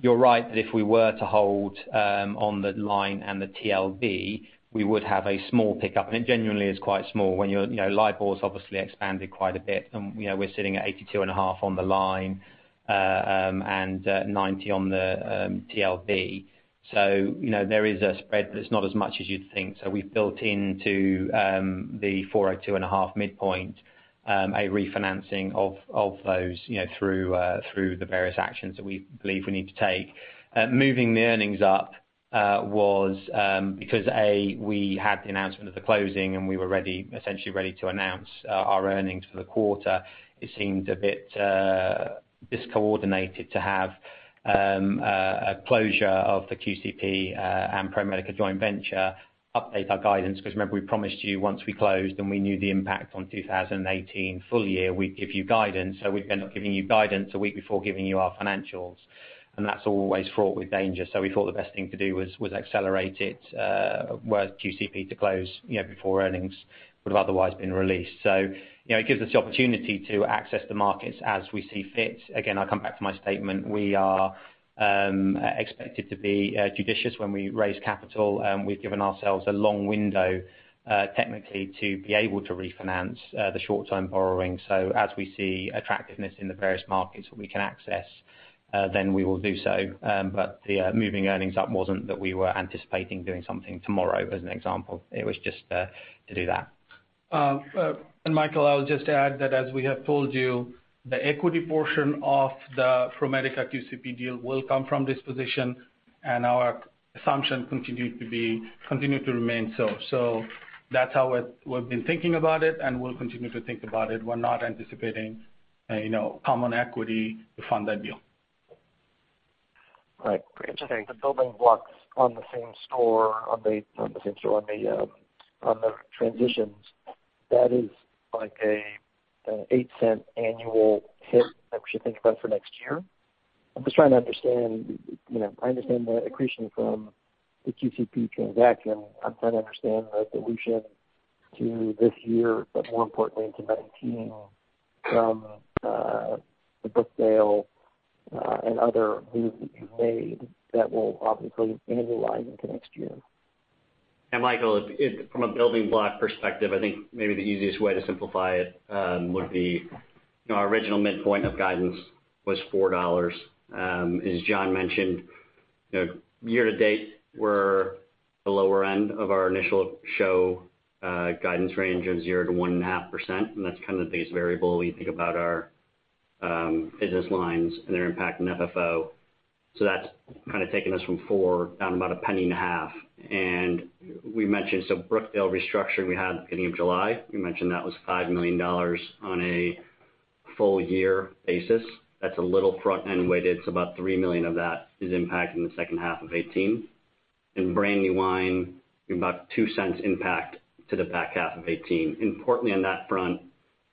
You're right that if we were to hold on the line and the TLB, we would have a small pickup. It genuinely is quite small when your LIBOR's obviously expanded quite a bit and we're sitting at 82.5 on the line and 90 on the TLB. There is a spread, but it's not as much as you'd think. We've built into the 402.5 midpoint a refinancing of those through the various actions that we believe we need to take. Moving the earnings up was because, A, we had the announcement of the closing, and we were essentially ready to announce our earnings for the quarter. It seemed a bit discoordinated to have a closure of the QCP and ProMedica joint venture update our guidance because remember, we promised you once we closed and we knew the impact on 2018 full year, we'd give you guidance. We'd end up giving you guidance a week before giving you our financials, and that's always fraught with danger. We thought the best thing to do was accelerate it, was QCP to close before earnings would have otherwise been released. It gives us the opportunity to access the markets as we see fit. Again, I come back to my statement. We are expected to be judicious when we raise capital, we've given ourselves a long window technically to be able to refinance the short-term borrowing. As we see attractiveness in the various markets that we can access then we will do so. the moving earnings up wasn't that we were anticipating doing something tomorrow as an example. It was just to do that. Michael, I would just add that as we have told you, the equity portion of the ProMedica QCP deal will come from this position and our assumption continue to remain so. that's how we've been thinking about it and will continue to think about it. We're not anticipating common equity to fund that deal. Right. Interesting. The building blocks on the transitions, that is like an $0.08 annual hit that we should think about for next year? I'm just trying to understand the accretion from the QCP transaction. I'm trying to understand the dilution to this year, but more importantly to 2019 from the Brookdale and other moves that you've made that will obviously annualize into next year. Michael, from a building block perspective, I think maybe the easiest way to simplify it would be our original midpoint of guidance was $4. As John mentioned, year to date we're the lower end of our initial SHOP guidance range of 0 to 1.5%, and that's kind of the biggest variable when you think about our business lines and their impact on FFO. that's kind of taken us from $4 down about $0.015. we mentioned, so Brookdale restructuring we had beginning of July. We mentioned that was $5 million on a full year basis. That's a little front-end weighted, so about $3 million of that is impacting the second half of 2018. In Brandywine, about $0.02 impact to the back half of 2018. Importantly on that front,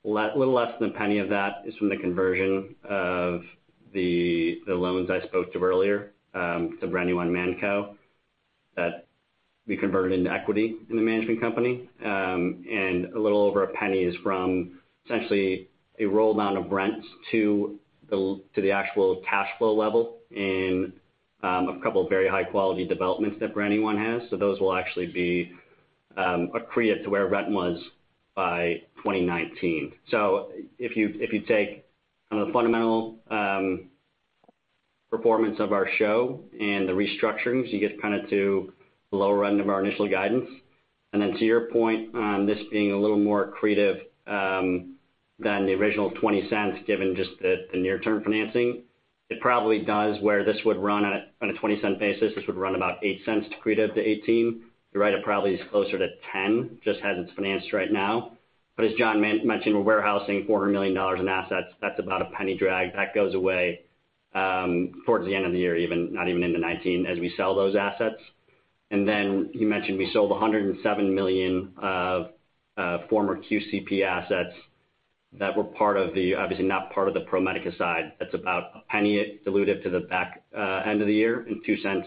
a little less than $0.01 of that is from the conversion of the loans I spoke to earlier to Brandywine ManCo. We converted into equity in the management company. A little over $0.01 is from essentially a roll-down of rents to the actual cash flow level in a couple of very high-quality developments that Brandywine has. Those will actually be accretive to where rent was by 2019. If you take kind of the fundamental performance of our SHOW and the restructurings, you get kind of to the lower end of our initial guidance. To your point on this being a little more accretive than the original $0.20 given just the near-term financing, it probably does, where this would run on a $0.20 basis, this would run about $0.08 accretive to 2018. You're right, it probably is closer to $0.10, just as it's financed right now. As John mentioned, we're warehousing $400 million in assets. That's about a $0.01 drag. That goes away towards the end of the year, not even into 2019, as we sell those assets. You mentioned we sold $107 million of former QCP assets that were obviously not part of the ProMedica side. That's about a $0.01 diluted to the back end of the year and $0.02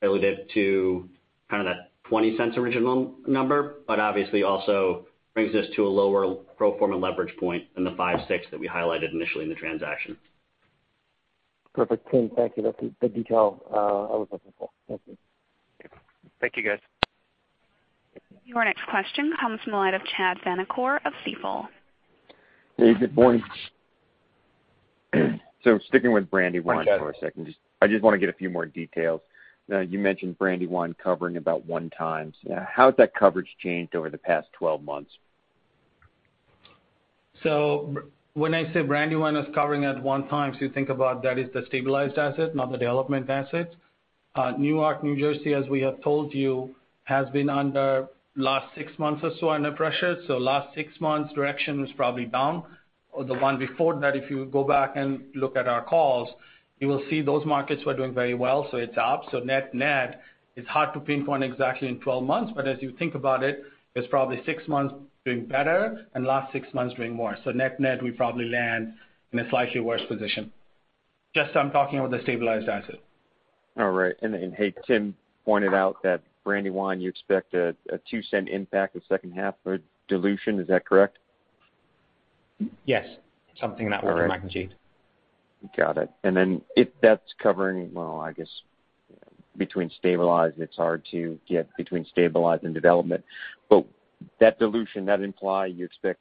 diluted to kind of that $0.20 original number, but obviously also brings us to a lower pro forma leverage point than the 5.6 that we highlighted initially in the transaction. Perfect. Tim, thank you. That's the detail I was looking for. Thank you. Thank you, guys. Your next question comes from the line of Chad Vanacore of Stifel. Hey, good morning. Sticking with Brandywine. Hi, Chad. For a second, I just want to get a few more details. You mentioned Brandywine covering about 1x. Yeah. How has that coverage changed over the past 12 months? When I say Brandywine is covering at one time, so you think about that is the stabilized asset, not the development asset. Newark, New Jersey, as we have told you, has been under last six months or so under pressure. Last six months, direction was probably down. The one before that, if you go back and look at our calls, you will see those markets were doing very well, so it's up. Net, it's hard to pinpoint exactly in 12 months, but as you think about it's probably six months doing better and the last six months doing worse. Net, we probably land in a slightly worse position. Just, I'm talking about the stabilized asset. All right. Hey, Tim pointed out that Brandywine, you expect a $0.02 impact of second half or dilution. Is that correct? Yes. Something in that order, magnitude. All right. Got it. If that's covering Well, I guess between stabilized and it's hard to get between stabilized and development. That dilution, that imply you expect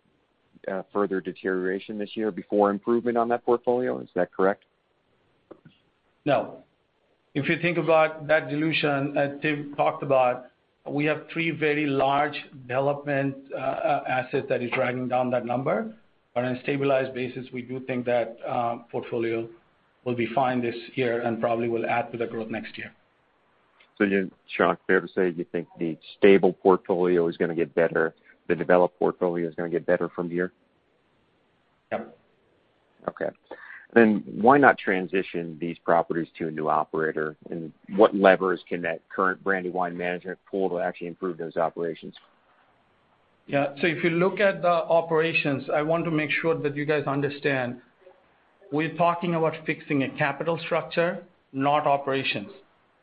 further deterioration this year before improvement on that portfolio, is that correct? No. If you think about that dilution that Tim talked about, we have three very large development assets that is dragging down that number. On a stabilized basis, we do think that portfolio will be fine this year and probably will add to the growth next year. Shankh, fair to say you think the stable portfolio is going to get better, the developed portfolio is going to get better from here? Yep. Okay. Why not transition these properties to a new operator? What levers can that current Brandywine management pull to actually improve those operations? Yeah. If you look at the operations, I want to make sure that you guys understand, we're talking about fixing a capital structure, not operations.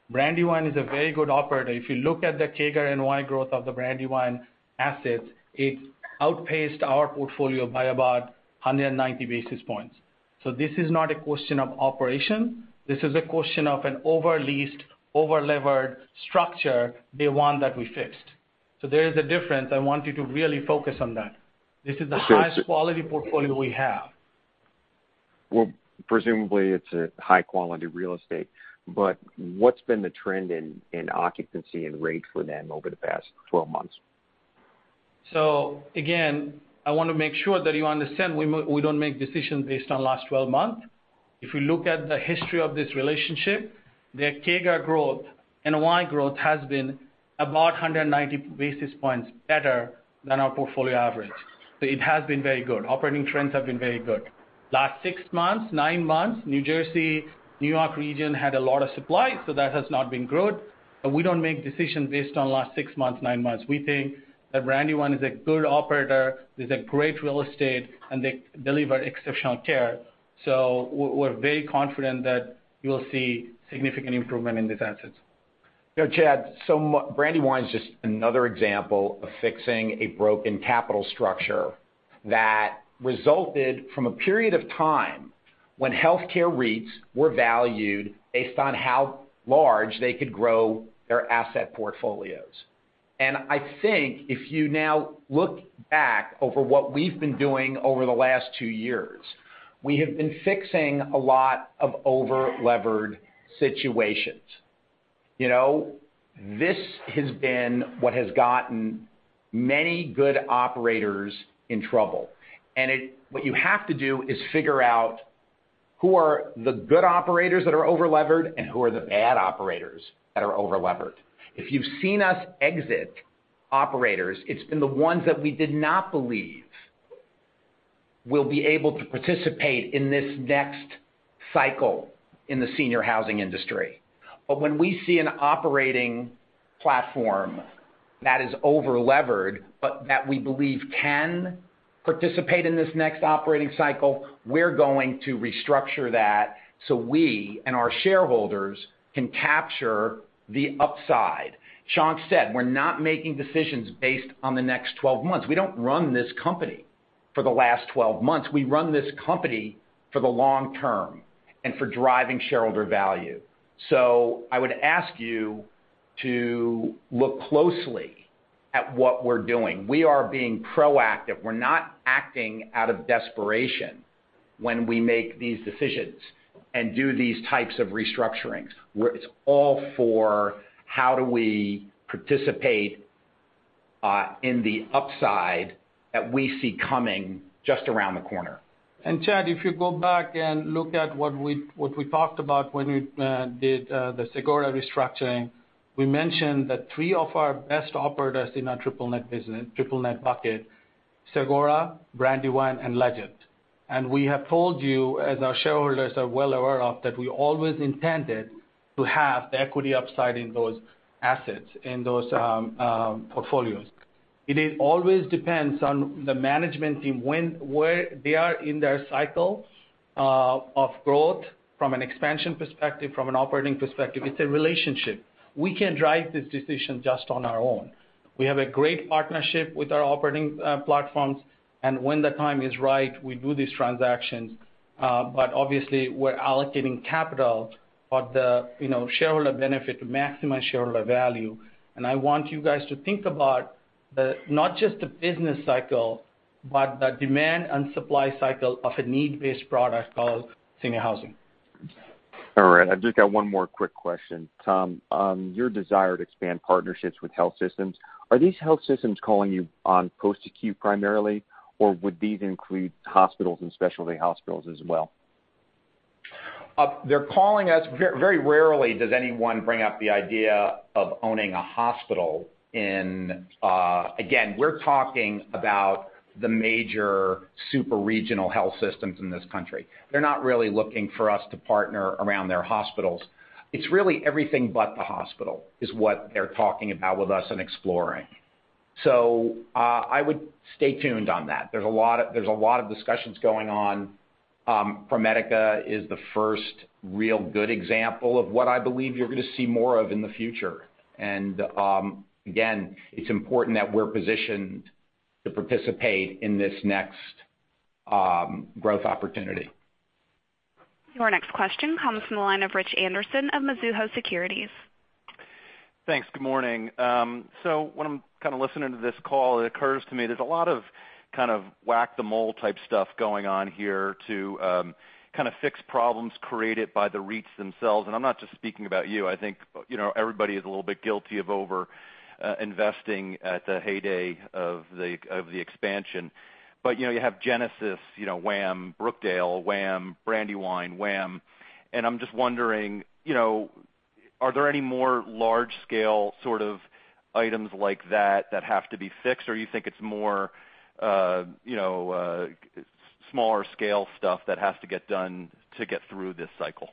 Brandywine is a very good operator. If you look at the CAGR NOI growth of the Brandywine assets, it outpaced our portfolio by about 190 basis points. This is not a question of operation. This is a question of an over-leased, over-levered structure they want that we fixed. There is a difference. I want you to really focus on that. This is the highest quality portfolio we have. Well, presumably it's a high quality real estate, but what's been the trend in occupancy and rate for them over the past 12 months? Again, I want to make sure that you understand we don't make decisions based on last 12 months. If you look at the history of this relationship, their CAGR growth, NOI growth has been about 190 basis points better than our portfolio average. It has been very good. Operating trends have been very good. Last six months, nine months, New Jersey, New York region had a lot of supply, so that has not been good. We don't make decisions based on last six months, nine months. We think that Brandywine is a good operator, is a great real estate, and they deliver exceptional care. We're very confident that you will see significant improvement in these assets. Yeah, Chad, Brandywine is just another example of fixing a broken capital structure that resulted from a period of time when healthcare REITs were valued based on how large they could grow their asset portfolios. I think if you now look back over what we've been doing over the last two years, we have been fixing a lot of over-levered situations. This has been what has gotten many good operators in trouble. What you have to do is figure out who are the good operators that are over-levered and who are the bad operators that are over-levered. If you've seen us exit operators, it's been the ones that we did not believe will be able to participate in this next cycle in the senior housing industry. When we see an operating platform That is over-levered, but that we believe can participate in this next operating cycle. We're going to restructure that so we and our shareholders can capture the upside. Shankh Mitra said, we're not making decisions based on the next 12 months. We don't run this company for the last 12 months. We run this company for the long term and for driving shareholder value. I would ask you to look closely at what we're doing. We are being proactive. We're not acting out of desperation when we make these decisions and do these types of restructurings. It's all for how do we participate in the upside that we see coming just around the corner. Chad Vanacore, if you go back and look at what we talked about when we did the Sagora restructuring, we mentioned that three of our best operators in our triple net business, triple net bucket, Sagora, Brandywine, and Legend. We have told you, as our shareholders are well aware of, that we always intended to have the equity upside in those assets, in those portfolios. It always depends on the management team, where they are in their cycle of growth from an expansion perspective, from an operating perspective. It's a relationship. We can't drive this decision just on our own. We have a great partnership with our operating platforms, and when the time is right, we do these transactions. Obviously, we're allocating capital for the shareholder benefit to maximize shareholder value. I want you guys to think about not just the business cycle, but the demand and supply cycle of a need-based product called senior housing. All right. I've just got one more quick question. Thomas DeRosa, your desire to expand partnerships with health systems, are these health systems calling you on post-acute primarily, or would these include hospitals and specialty hospitals as well? Very rarely does anyone bring up the idea of owning a hospital. We're talking about the major super-regional health systems in this country. They're not really looking for us to partner around their hospitals. It's really everything but the hospital, is what they're talking about with us and exploring. I would stay tuned on that. There's a lot of discussions going on. ProMedica is the first real good example of what I believe you're going to see more of in the future. Again, it's important that we're positioned to participate in this next growth opportunity. Your next question comes from the line of Richard Anderson of Mizuho Securities. Thanks. Good morning. When I'm kind of listening to this call, it occurs to me there's a lot of kind of whack-the-mole type stuff going on here to kind of fix problems created by the REITs themselves. I'm not just speaking about you. I think everybody is a little bit guilty of over-investing at the heyday of the expansion. You have Genesis, wham, Brookdale, wham, Brandywine, wham. I'm just wondering, are there any more large-scale sort of items like that that have to be fixed, or you think it's more smaller scale stuff that has to get done to get through this cycle?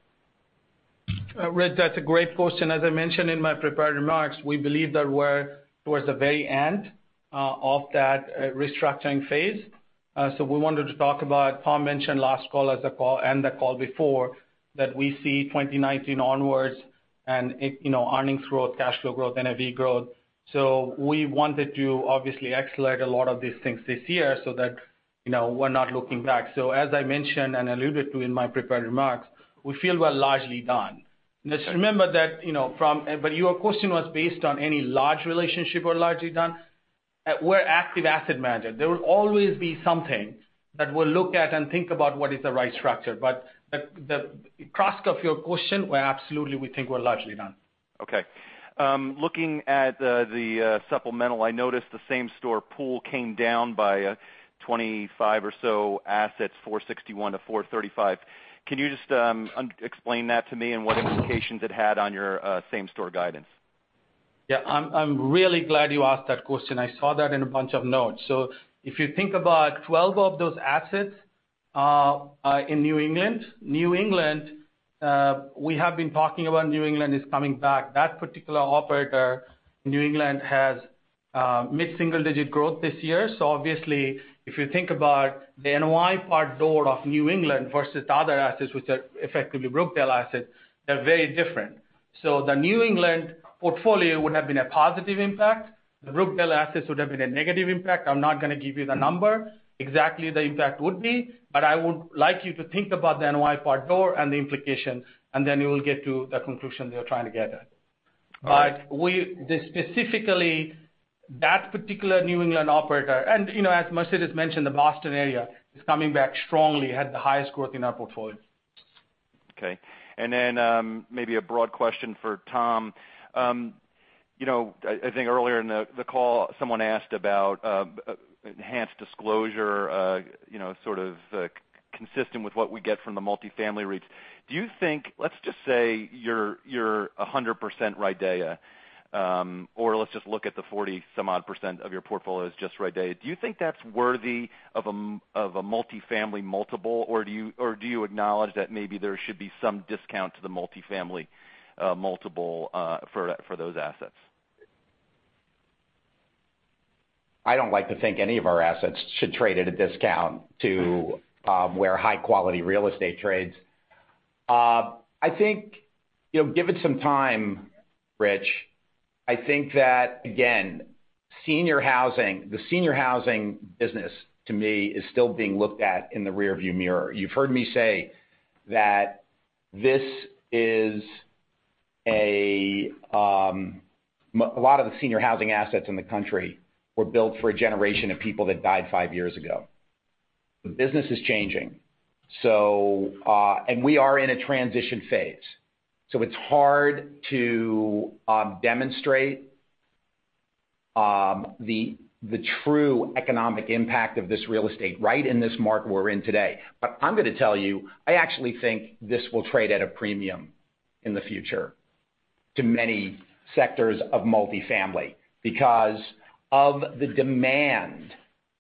Rich, that's a great question. As I mentioned in my prepared remarks, we believe that we're towards the very end of that restructuring phase. We wanted to talk about, Tom mentioned last call and the call before, that we see 2019 onwards and earnings growth, cash flow growth, NAV growth. We wanted to obviously accelerate a lot of these things this year so that we're not looking back. As I mentioned and alluded to in my prepared remarks, we feel we're largely done. Your question was based on any large relationship we're largely done? We're active asset manager. There will always be something that we'll look at and think about what is the right structure. The crux of your question, well, absolutely, we think we're largely done. Looking at the supplemental, I noticed the same store pool came down by 25 or so assets, 461 to 435. Can you just explain that to me and what implications it had on your same-store guidance? I'm really glad you asked that question. I saw that in a bunch of notes. If you think about 12 of those assets in New England. We have been talking about New England is coming back. That particular operator in New England has mid-single-digit growth this year. Obviously, if you think about the NOI per door of New England versus the other assets, which are effectively Brookdale assets, they're very different. The New England portfolio would have been a positive impact. The Brookdale assets would have been a negative impact. I'm not going to give you the number exactly the impact would be, but I would like you to think about the NOI per door and the implication, and then you will get to the conclusion you're trying to get at. Specifically, that particular New England operator, and as Mercedes mentioned, the Boston area is coming back strongly, had the highest growth in our portfolio. Maybe a broad question for Tom. I think earlier in the call, someone asked about enhanced disclosure, sort of consistent with what we get from the multifamily REITs. Let's just say you're 100% RIDEA, or let's just look at the 40-some odd % of your portfolio is just RIDEA. Do you think that's worthy of a multifamily multiple, or do you acknowledge that maybe there should be some discount to the multifamily multiple for those assets? I don't like to think any of our assets should trade at a discount to where high-quality real estate trades. I think, give it some time, Rich. I think that, again, the senior housing business, to me, is still being looked at in the rearview mirror. You've heard me say that a lot of the senior housing assets in the country were built for a generation of people that died five years ago. The business is changing, and we are in a transition phase. It's hard to demonstrate the true economic impact of this real estate right in this market we're in today. I'm going to tell you, I actually think this will trade at a premium in the future to many sectors of multifamily because of the demand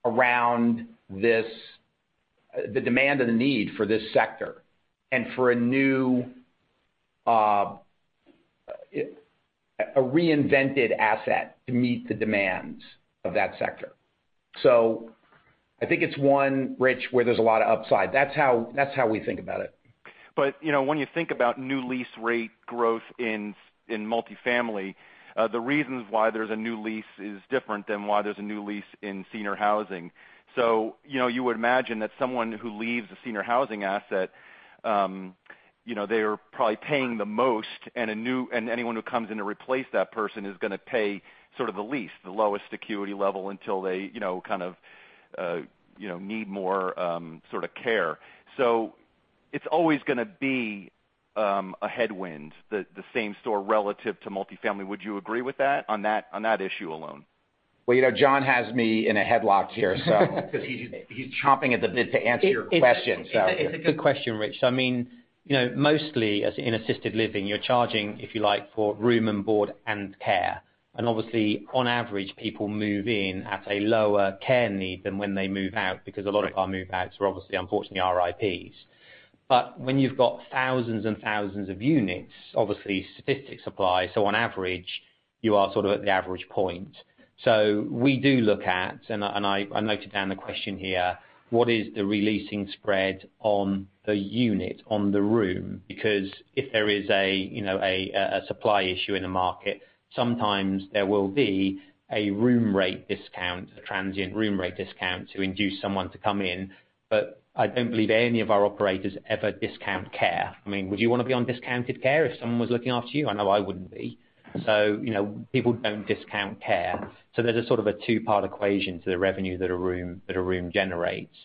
and the need for this sector and for a reinvented asset to meet the demands of that sector. I think it's one, Rich, where there's a lot of upside. That's how we think about it. When you think about new lease rate growth in multifamily, the reasons why there's a new lease is different than why there's a new lease in senior housing. You would imagine that someone who leaves a senior housing asset, they are probably paying the most, and anyone who comes in to replace that person is going to pay sort of the least, the lowest acuity level until they kind of need more sort of care. It's always going to be a headwind, the same store relative to multifamily. Would you agree with that on that issue alone? Well, John has me in a headlock here, so because he's chomping at the bit to answer your question. It's a good question, Rich. Mostly, in assisted living, you're charging, if you like, for room and board and care. Obviously, on average, people move in at a lower care need than when they move out, because a lot of our move-outs are obviously unfortunately RIPs. When you've got thousands and thousands of units, obviously statistics apply. On average, you are sort of at the average point. We do look at, and I noted down the question here, what is the re-leasing spread on the unit, on the room? Because if there is a supply issue in the market, sometimes there will be a room rate discount, a transient room rate discount to induce someone to come in. I don't believe any of our operators ever discount care. Would you want to be on discounted care if someone was looking after you? I know I wouldn't be. People don't discount care. There's a sort of a two-part equation to the revenue that a room generates.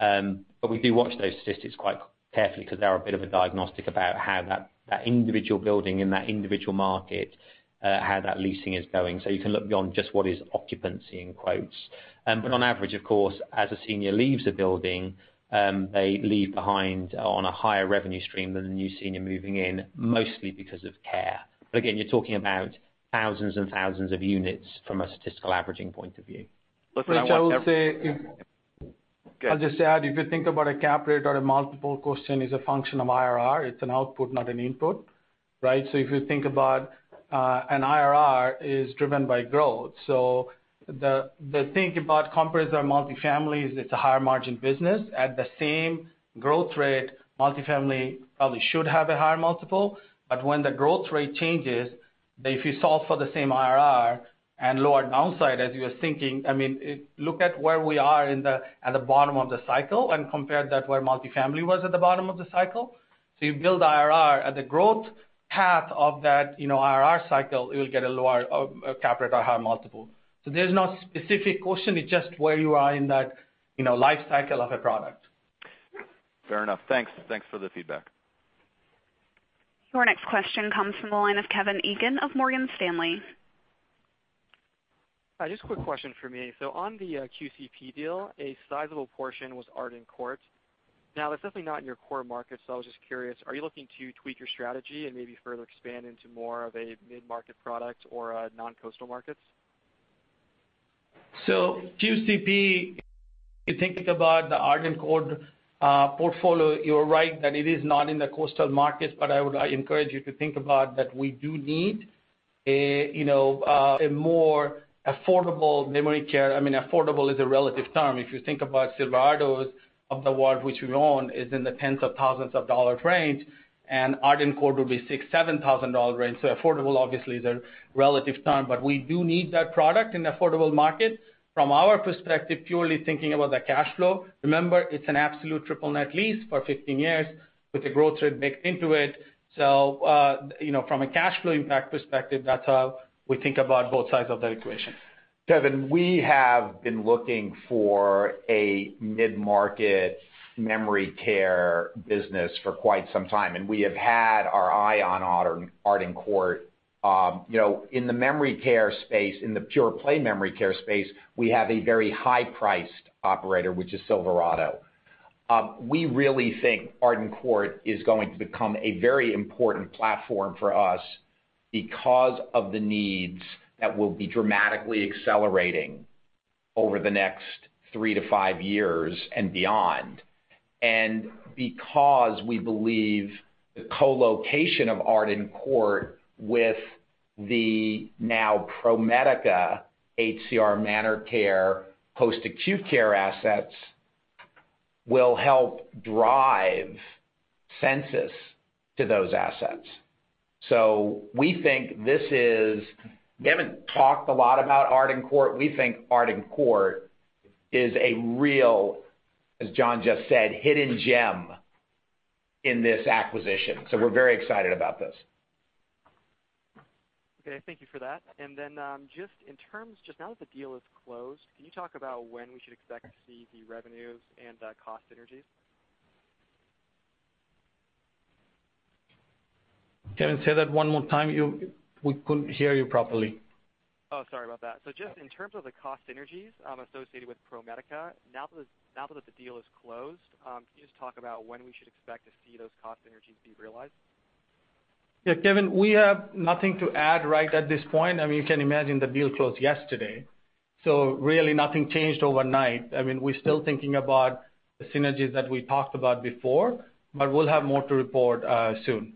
We do watch those statistics quite carefully because they're a bit of a diagnostic about how that individual building in that individual market, how that leasing is going. You can look beyond just what is occupancy in quotes. On average, of course, as a senior leaves a building, they leave behind on a higher revenue stream than the new senior moving in, mostly because of care. Again, you're talking about thousands and thousands of units from a statistical averaging point of view. Look for that one I would say if Go ahead I'll just add, if you think about a cap rate or a multiple question is a function of IRR, it's an output, not an input, right? If you think about an IRR is driven by growth. The thing about comparables are multifamily is it's a higher margin business. At the same growth rate, multifamily probably should have a higher multiple. When the growth rate changes, if you solve for the same IRR and lower downside, as you are thinking, look at where we are at the bottom of the cycle and compare that where multifamily was at the bottom of the cycle. You build IRR at the growth path of that IRR cycle, you'll get a lower cap rate or higher multiple. There's no specific question. It's just where you are in that life cycle of a product. Fair enough. Thanks. Thanks for the feedback. Your next question comes from the line of Kevin Egan of Morgan Stanley. Hi. Just a quick question from me. On the QCP deal, a sizable portion was Arden Courts. That's definitely not in your core market. I was just curious, are you looking to tweak your strategy and maybe further expand into more of a mid-market product or non-coastal markets? QCP, if you think about the Arden Courts portfolio, you're right that it is not in the coastal markets. I encourage you to think about that we do need a more affordable memory care. Affordable is a relative term. If you think about Silverado's of the world, which we own, is in the tens of thousands of dollar range, and Arden Courts will be $6,000, $7,000 range. Affordable, obviously, is a relative term. We do need that product in the affordable market. From our perspective, purely thinking about the cash flow, remember, it's an absolute triple net lease for 15 years with a growth rate baked into it. From a cash flow impact perspective, that's how we think about both sides of that equation. Kevin, we have been looking for a mid-market memory care business for quite some time. We have had our eye on Arden Courts. In the memory care space, in the pure play memory care space, we have a very high-priced operator, which is Silverado. We really think Arden Courts is going to become a very important platform for us because of the needs that will be dramatically accelerating over the next three to five years and beyond. Because we believe the co-location of Arden Courts with the now ProMedica HCR ManorCare post-acute care assets will help drive census to those assets. We haven't talked a lot about Arden Courts. We think Arden Courts is a real, as John just said, hidden gem in this acquisition. We're very excited about this. Okay. Thank you for that. Just in terms, just now that the deal is closed, can you talk about when we should expect to see the revenues and the cost synergies? Kevin, say that one more time. We couldn't hear you properly. Sorry about that. Just in terms of the cost synergies associated with ProMedica, now that the deal is closed, can you just talk about when we should expect to see those cost synergies be realized? Kevin, we have nothing to add right at this point. I mean, you can imagine the deal closed yesterday, really nothing changed overnight. I mean, we're still thinking about the synergies that we talked about before, we'll have more to report soon.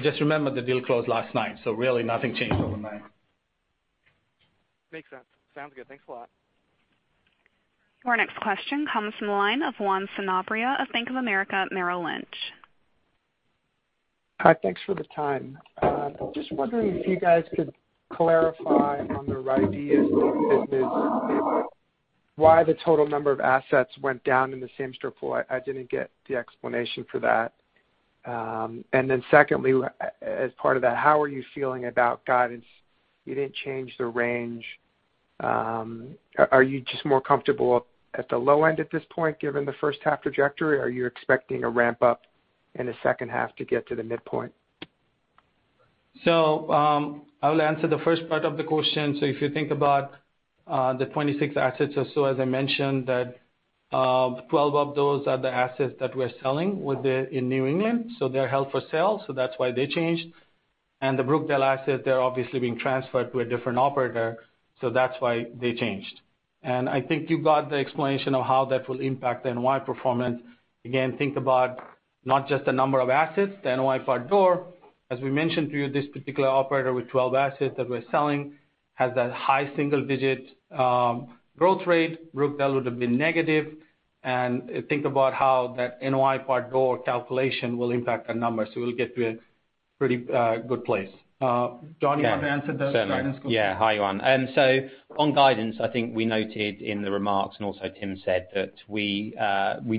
Just remember, the deal closed last night, really nothing changed overnight. Makes sense. Sounds good. Thanks a lot. Our next question comes from the line of Juan Sanabria of Bank of America Merrill Lynch. Hi. Thanks for the time. Just wondering if you guys could clarify on the RIDEA business why the total number of assets went down in the same-store. I didn't get the explanation for that. Secondly, as part of that, how are you feeling about guidance? You didn't change the range. Are you just more comfortable at the low end at this point, given the first half trajectory? Are you expecting a ramp-up in the second half to get to the midpoint? I will answer the first part of the question. If you think about the 26 assets or so, as I mentioned, that 12 of those are the assets that we're selling in New England. They're held for sale, so that's why they changed. The Brookdale assets, they're obviously being transferred to a different operator, so that's why they changed. I think you got the explanation of how that will impact NOI performance. Again, think about not just the number of assets, the NOI per door. As we mentioned to you, this particular operator with 12 assets that we're selling has that high single-digit growth rate. Brookdale would have been negative. Think about how that NOI per door calculation will impact the numbers. We'll get to a pretty good place. John, you have to answer the guidance question. Yeah. Hi, Juan. On guidance, I think we noted in the remarks, Tim said, that we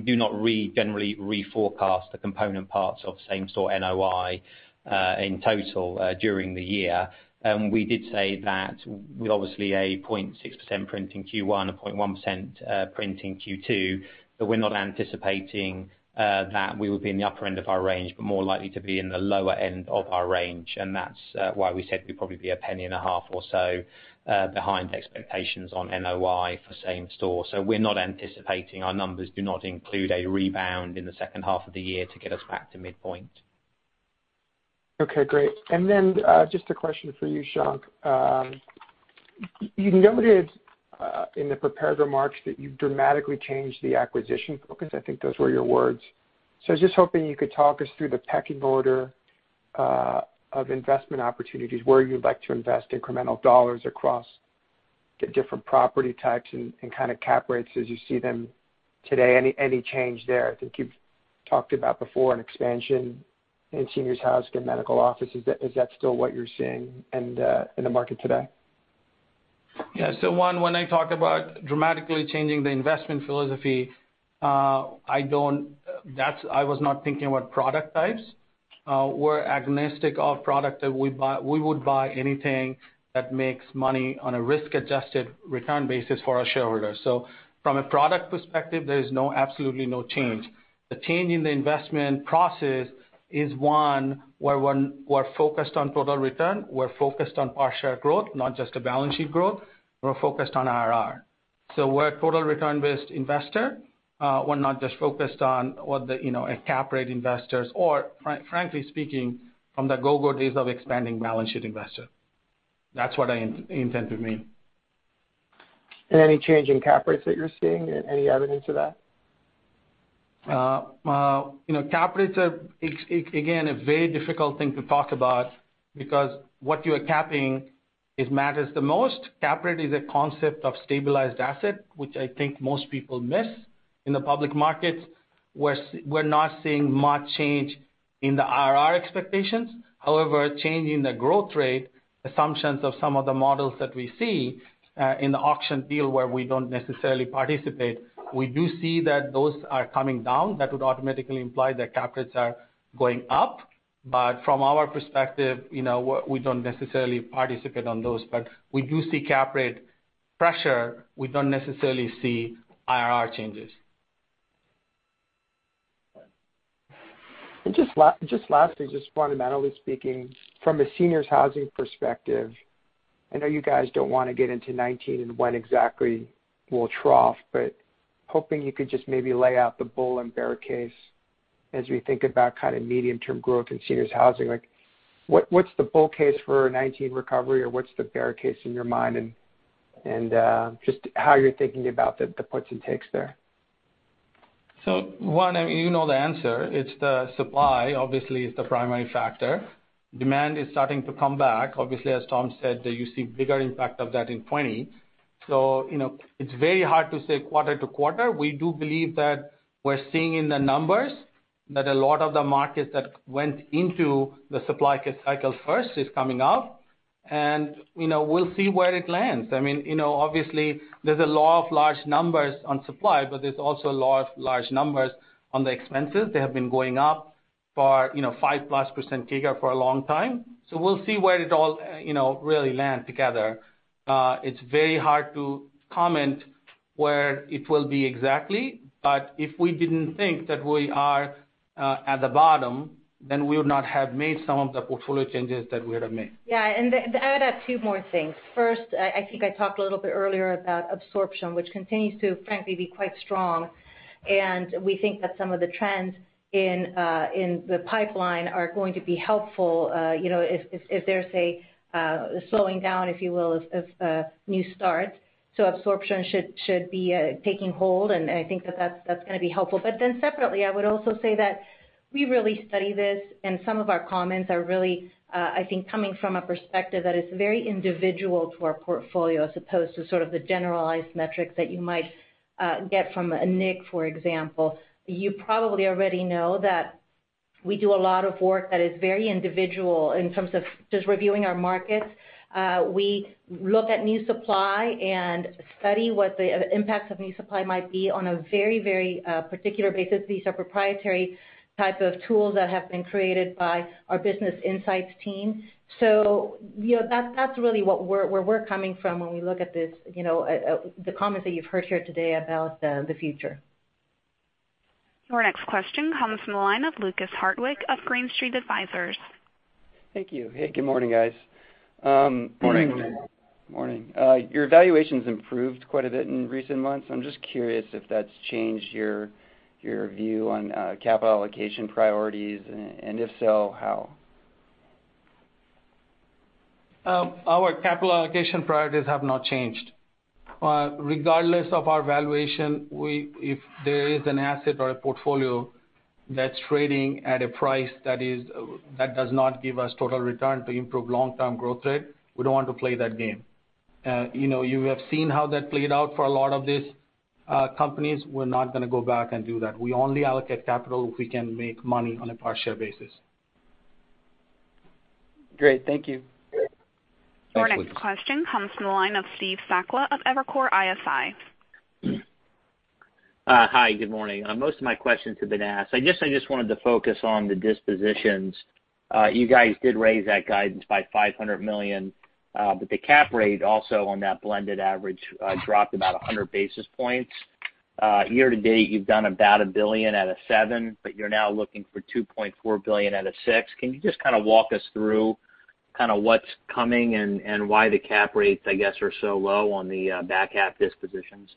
do not generally reforecast the component parts of same-store NOI in total during the year. We did say that with obviously a 0.6% print in Q1, a 0.1% print in Q2, that we're not anticipating that we will be in the upper end of our range, but more likely to be in the lower end of our range. That's why we said we'd probably be a penny and a half or so behind expectations on NOI for same-store. We're not anticipating, our numbers do not include a rebound in the second half of the year to get us back to midpoint. Okay, great. Just a question for you, Shankh. You noted in the prepared remarks that you dramatically changed the acquisition focus. I think those were your words. I was just hoping you could talk us through the pecking order of investment opportunities, where you'd like to invest incremental dollars across the different property types and cap rates as you see them today. Any change there? I think you've talked about before an expansion in seniors housing and medical offices. Is that still what you're seeing in the market today? Yeah. Juan, when I talked about dramatically changing the investment philosophy, I was not thinking about product types. We're agnostic of product that we buy. We would buy anything that makes money on a risk-adjusted return basis for our shareholders. From a product perspective, there is absolutely no change. The change in the investment process is one, where one, we're focused on total return, we're focused on per share growth, not just a balance sheet growth. We're focused on IRR. We're a total return-based investor. We're not just focused on what the cap rate investors or frankly speaking, from the go-go days of expanding balance sheet investor. That's what I intended to mean. Any change in cap rates that you're seeing? Any evidence of that? Cap rates are, again, a very difficult thing to talk about because what you are capping matters the most. Cap rate is a concept of stabilized asset, which I think most people miss in the public markets. We're not seeing much change in the IRR expectations. However, change in the growth rate assumptions of some of the models that we see in the auction deal where we don't necessarily participate, we do see that those are coming down. That would automatically imply that cap rates are going up. From our perspective, we don't necessarily participate on those. We do see cap rate pressure. We don't necessarily see IRR changes. Just lastly, just fundamentally speaking from a seniors housing perspective, I know you guys don't want to get into 2019 and when exactly we'll trough, but hoping you could just maybe lay out the bull and bear case as we think about medium-term growth in seniors housing. What's the bull case for a 2019 recovery or what's the bear case in your mind and. Just how you're thinking about the puts and takes there. One, you know the answer, it's the supply obviously is the primary factor. Demand is starting to come back. Obviously, as Tom said, that you see bigger impact of that in 2020. It's very hard to say quarter to quarter. We do believe that we're seeing in the numbers that a lot of the markets that went into the supply cycle first is coming out and we'll see where it lands. Obviously, there's a law of large numbers on supply, but there's also a law of large numbers on the expenses. They have been going up for 5%+ TIGA for a long time. We'll see where it all really land together. It's very hard to comment where it will be exactly, but if we didn't think that we are at the bottom, then we would not have made some of the portfolio changes that we have made. Yeah. I would add two more things. First, I think I talked a little bit earlier about absorption, which continues to frankly be quite strong. We think that some of the trends in the pipeline are going to be helpful, if there's a slowing down, if you will, of new starts. Absorption should be taking hold, and I think that that's going to be helpful. Separately, I would also say that we really study this and some of our comments are really, I think, coming from a perspective that is very individual to our portfolio as opposed to sort of the generalized metrics that you might get from a NIC, for example. You probably already know that we do a lot of work that is very individual in terms of just reviewing our markets. We look at new supply and study what the impact of new supply might be on a very particular basis. These are proprietary type of tools that have been created by our business insights team. That's really where we're coming from when we look at this, the comments that you've heard here today about the future. Your next question comes from the line of Lukas Hartwich of Green Street Advisors. Thank you. Hey, good morning, guys. Morning. Morning. Your valuation's improved quite a bit in recent months. I'm just curious if that's changed your view on capital allocation priorities, and if so, how? Our capital allocation priorities have not changed. Regardless of our valuation, if there is an asset or a portfolio that's trading at a price that does not give us total return to improve long-term growth rate, we don't want to play that game. You have seen how that played out for a lot of these companies. We're not going to go back and do that. We only allocate capital if we can make money on a per share basis. Great. Thank you. Thanks, Lukas. Your next question comes from the line of Steve Sakwa of Evercore ISI. Hi, good morning. Most of my questions have been asked. I guess I just wanted to focus on the dispositions. You guys did raise that guidance by $500 million, the cap rate also on that blended average, dropped about 100 basis points. Year to date, you've done about $1 billion out of 7, you're now looking for $2.4 billion out of 6. Can you just kind of walk us through kind of what's coming and why the cap rates, I guess, are so low on the back-half dispositions?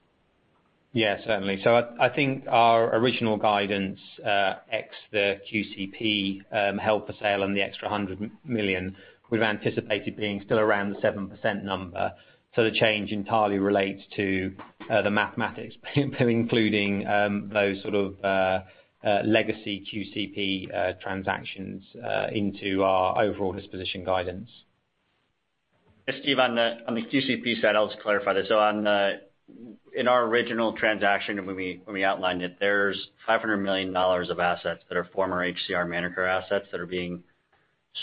Yeah, certainly. I think our original guidance, ex the QCP held for sale and the extra $100 million we've anticipated being still around the 7% number. The change entirely relates to the mathematics, including those sort of legacy QCP transactions into our overall disposition guidance. Steve, on the QCP side, I'll just clarify this. In our original transaction when we outlined it, there's $500 million of assets that are former HCR ManorCare assets that are being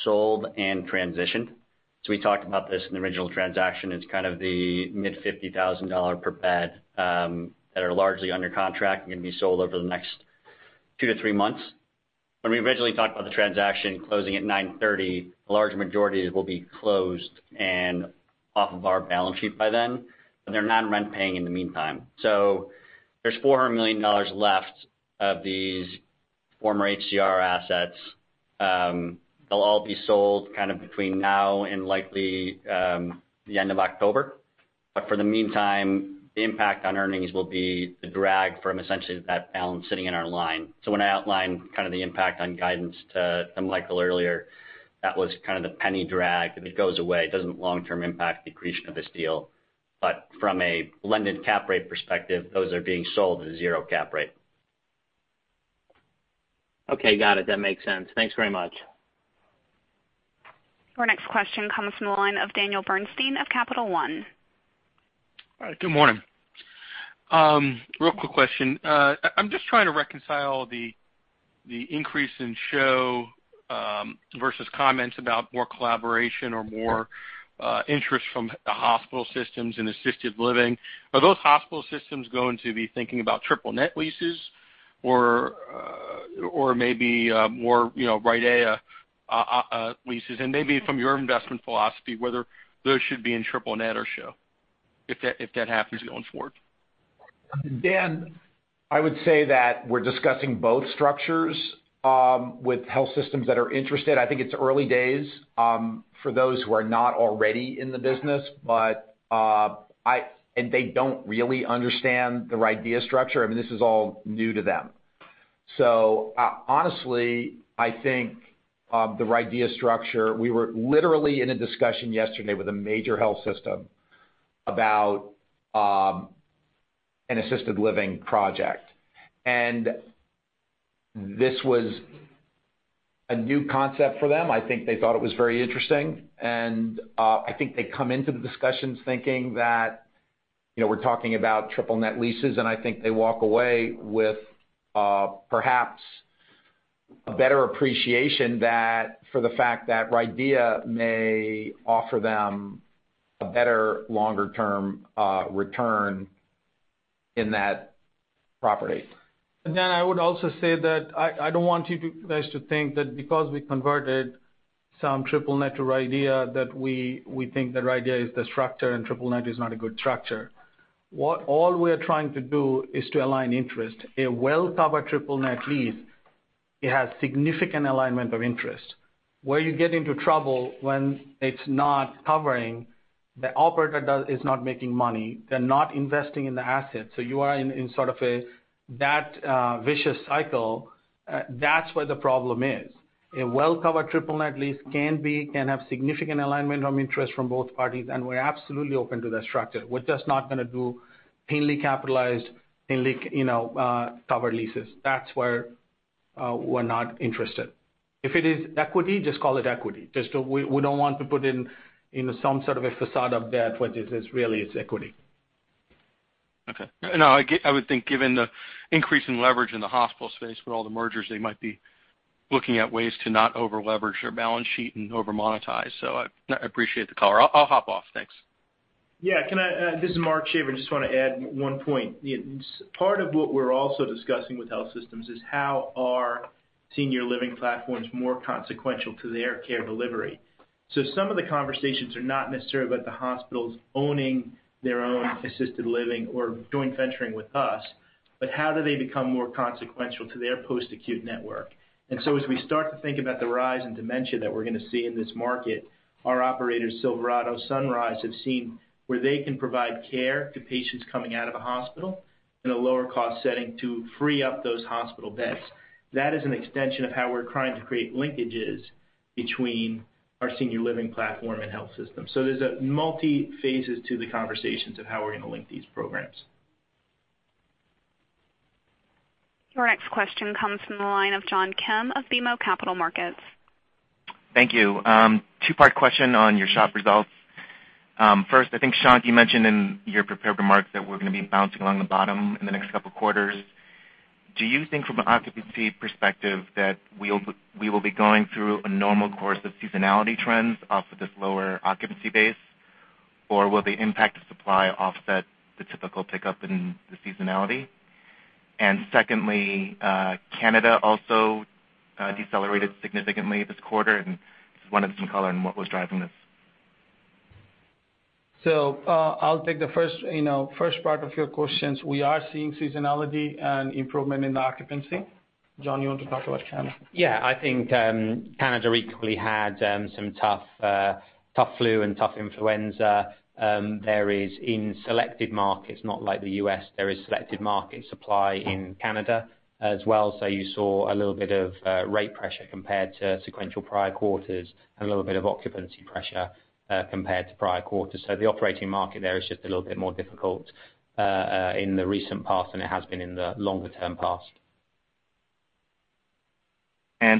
sold and transitioned. We talked about this in the original transaction. It's kind of the mid-$50,000 per bed, that are largely under contract and going to be sold over the next two to three months. When we originally talked about the transaction closing at 9/30, a large majority will be closed and off of our balance sheet by then, they're non-rent paying in the meantime. There's $400 million left of these former HCR assets. They'll all be sold kind of between now and likely the end of October. For the meantime, the impact on earnings will be the drag from essentially that balance sitting in our line. When I outlined kind of the impact on guidance to Michael earlier, that was kind of the penny drag, and it goes away. It doesn't long-term impact the creation of this deal. From a blended cap rate perspective, those are being sold at a zero cap rate. Okay, got it. That makes sense. Thanks very much. Your next question comes from the line of Daniel Bernstein of Capital One. All right. Good morning. Real quick question. I'm just trying to reconcile the increase in SHOW versus comments about more collaboration or more interest from the hospital systems in assisted living. Are those hospital systems going to be thinking about triple net leases or maybe more RIDEA leases? Maybe from your investment philosophy, whether those should be in triple net or SHOW, if that happens going forward. Dan, I would say that we're discussing both structures with health systems that are interested. I think it's early days for those who are not already in the business, and they don't really understand the RIDEA structure. I mean, this is all new to them. Honestly, I think the RIDEA structure, we were literally in a discussion yesterday with a major health system about an assisted living project, and this was a new concept for them. I think they thought it was very interesting, and I think they come into the discussions thinking that we're talking about triple-net leases, and I think they walk away with perhaps a better appreciation for the fact that RIDEA may offer them a better longer-term return in that property. I would also say that I don't want you guys to think that because we converted some triple-net to RIDEA, that we think that RIDEA is the structure and triple-net is not a good structure. What all we're trying to do is to align interest. A Welltower triple-net lease, it has significant alignment of interest. Where you get into trouble, when it's not covering, the operator is not making money. They're not investing in the asset. You are in sort of that vicious cycle. That's where the problem is. A Welltower triple-net lease can have significant alignment of interest from both parties, and we're absolutely open to that structure. We're just not going to do thinly capitalized, thinly covered leases. That's where we're not interested. If it is equity, just call it equity. We don't want to put in some sort of a façade of debt when really it's equity. Okay. No, I would think given the increase in leverage in the hospital space with all the mergers, they might be looking at ways to not over-leverage their balance sheet and over-monetize. I appreciate the call. I'll hop off. Thanks. Yeah. This is Mark Shaver, I just want to add one point. Part of what we're also discussing with health systems is how are senior living platforms more consequential to their care delivery. Some of the conversations are not necessarily about the hospitals owning their own assisted living or joint venturing with us, but how do they become more consequential to their post-acute network? As we start to think about the rise in dementia that we're going to see in this market, our operators, Silverado, Sunrise, have seen where they can provide care to patients coming out of a hospital in a lower cost setting to free up those hospital beds. That is an extension of how we're trying to create linkages between our senior living platform and health system. There's multi phases to the conversations of how we're going to link these programs. Your next question comes from the line of John Kim of BMO Capital Markets. Thank you. Two-part question on your SHOP results. First, I think, Shankh, you mentioned in your prepared remarks that we're going to be bouncing along the bottom in the next couple of quarters. Do you think from an occupancy perspective that we will be going through a normal course of seasonality trends off of this lower occupancy base? Or will the impact of supply offset the typical pickup in the seasonality? Secondly, Canada also decelerated significantly this quarter, and just wanted some color on what was driving this. I'll take the first part of your questions. We are seeing seasonality and improvement in the occupancy. John, you want to talk about Canada? I think Canada equally had some tough flu and tough influenza. In selective markets, not like the U.S., there is selective market supply in Canada as well. You saw a little bit of rate pressure compared to sequential prior quarters and a little bit of occupancy pressure compared to prior quarters. The operating market there is just a little bit more difficult in the recent past than it has been in the longer-term past.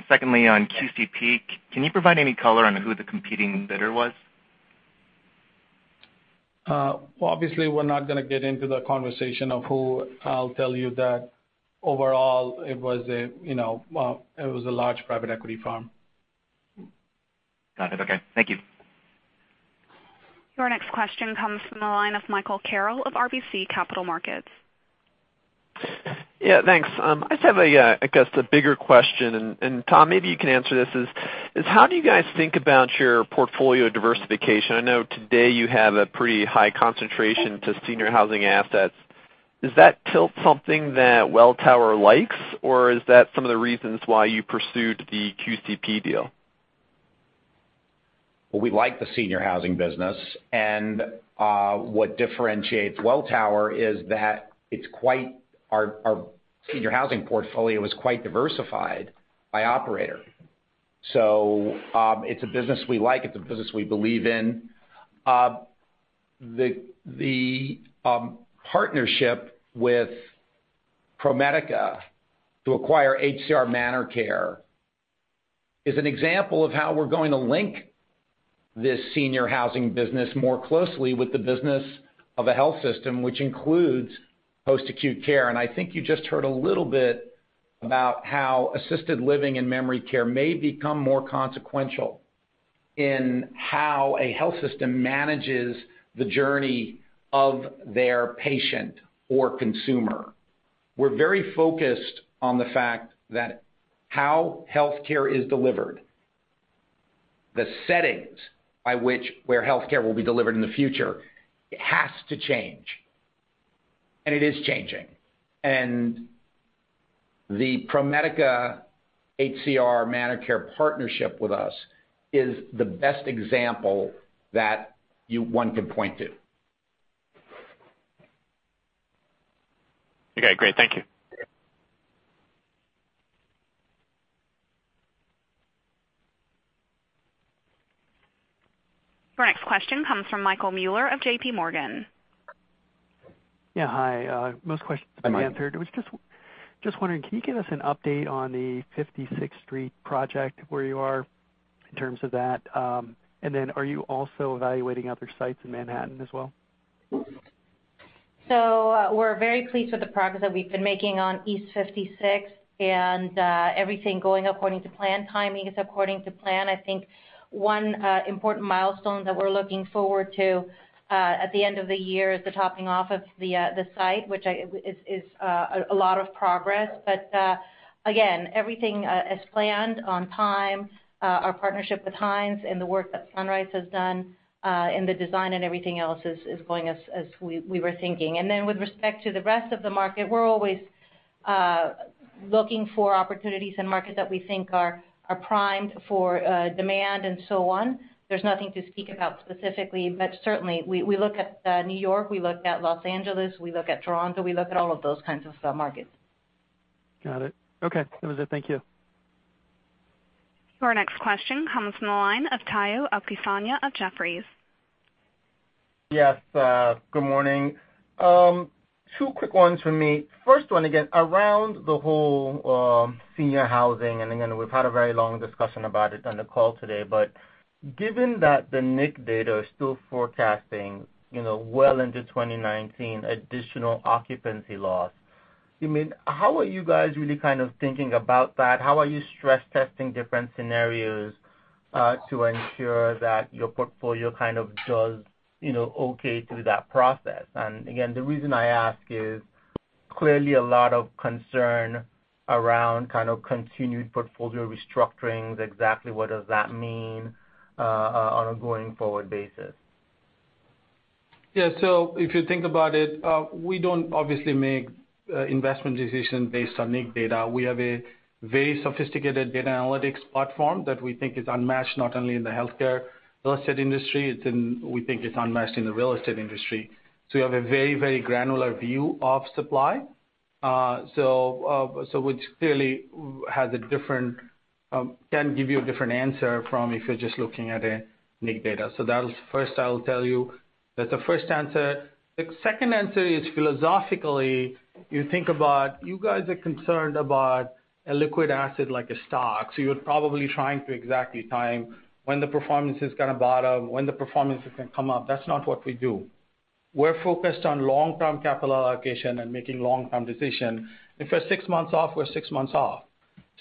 Secondly, on QCP, can you provide any color on who the competing bidder was? Obviously, we're not going to get into the conversation of who. I'll tell you that overall it was a large private equity firm. Got it. Okay. Thank you. Your next question comes from the line of Michael Carroll of RBC Capital Markets. Yeah, thanks. I just have, I guess, the bigger question, and Tom, maybe you can answer this. How do you guys think about your portfolio diversification? I know today you have a pretty high concentration to senior housing assets. Is that tilt something that Welltower likes, or is that some of the reasons why you pursued the QCP deal? Well, we like the senior housing business, and what differentiates Welltower is that our senior housing portfolio is quite diversified by operator. It's a business we like, it's a business we believe in. The partnership with ProMedica to acquire HCR ManorCare is an example of how we're going to link this senior housing business more closely with the business of a health system, which includes post-acute care. I think you just heard a little bit about how assisted living and memory care may become more consequential in how a health system manages the journey of their patient or consumer. We're very focused on the fact that how healthcare is delivered, the settings by which where healthcare will be delivered in the future, it has to change, and it is changing. The ProMedica HCR ManorCare partnership with us is the best example that one can point to Okay, great. Thank you. Our next question comes from Michael Mueller of JPMorgan. Yeah, hi. Most questions have been answered. Hi, Michael. I was just wondering, can you give us an update on the 56th Street project, where you are in terms of that? Are you also evaluating other sites in Manhattan as well? We're very pleased with the progress that we've been making on East 56, and everything going according to plan. Timing is according to plan. I think one important milestone that we're looking forward to, at the end of the year, is the topping off of the site, which is a lot of progress. Again, everything as planned, on time. Our partnership with Hines and the work that Sunrise has done in the design and everything else is going as we were thinking. With respect to the rest of the market, we're always looking for opportunities in markets that we think are primed for demand and so on. There's nothing to speak about specifically, but certainly we look at New York, we look at Los Angeles, we look at Toronto, we look at all of those kinds of sub-markets. Got it. Okay. That was it. Thank you. Our next question comes from the line of Tayo Okusanya of Jefferies. Yes, good morning. Two quick ones from me. First one, again, around the whole senior housing, and again, we've had a very long discussion about it on the call today, but given that the NIC data is still forecasting well into 2019 additional occupancy loss, how are you guys really kind of thinking about that? How are you stress testing different scenarios, to ensure that your portfolio kind of does okay through that process? The reason I ask is, clearly a lot of concern around kind of continued portfolio restructurings. Exactly what does that mean on a going forward basis? Yeah. If you think about it, we don't obviously make investment decisions based on NIC data. We have a very sophisticated data analytics platform that we think is unmatched, not only in the healthcare real estate industry, we think it's unmatched in the real estate industry. We have a very, very granular view of supply, which clearly can give you a different answer from if you're just looking at a NIC data. That first I'll tell you, that's the first answer. The second answer is philosophically, you think about you guys are concerned about a liquid asset like a stock, so you're probably trying to exactly time when the performance is going to bottom, when the performance is going to come up. That's not what we do. We're focused on long-term capital allocation and making long-term decisions. If we're six months off, we're six months off.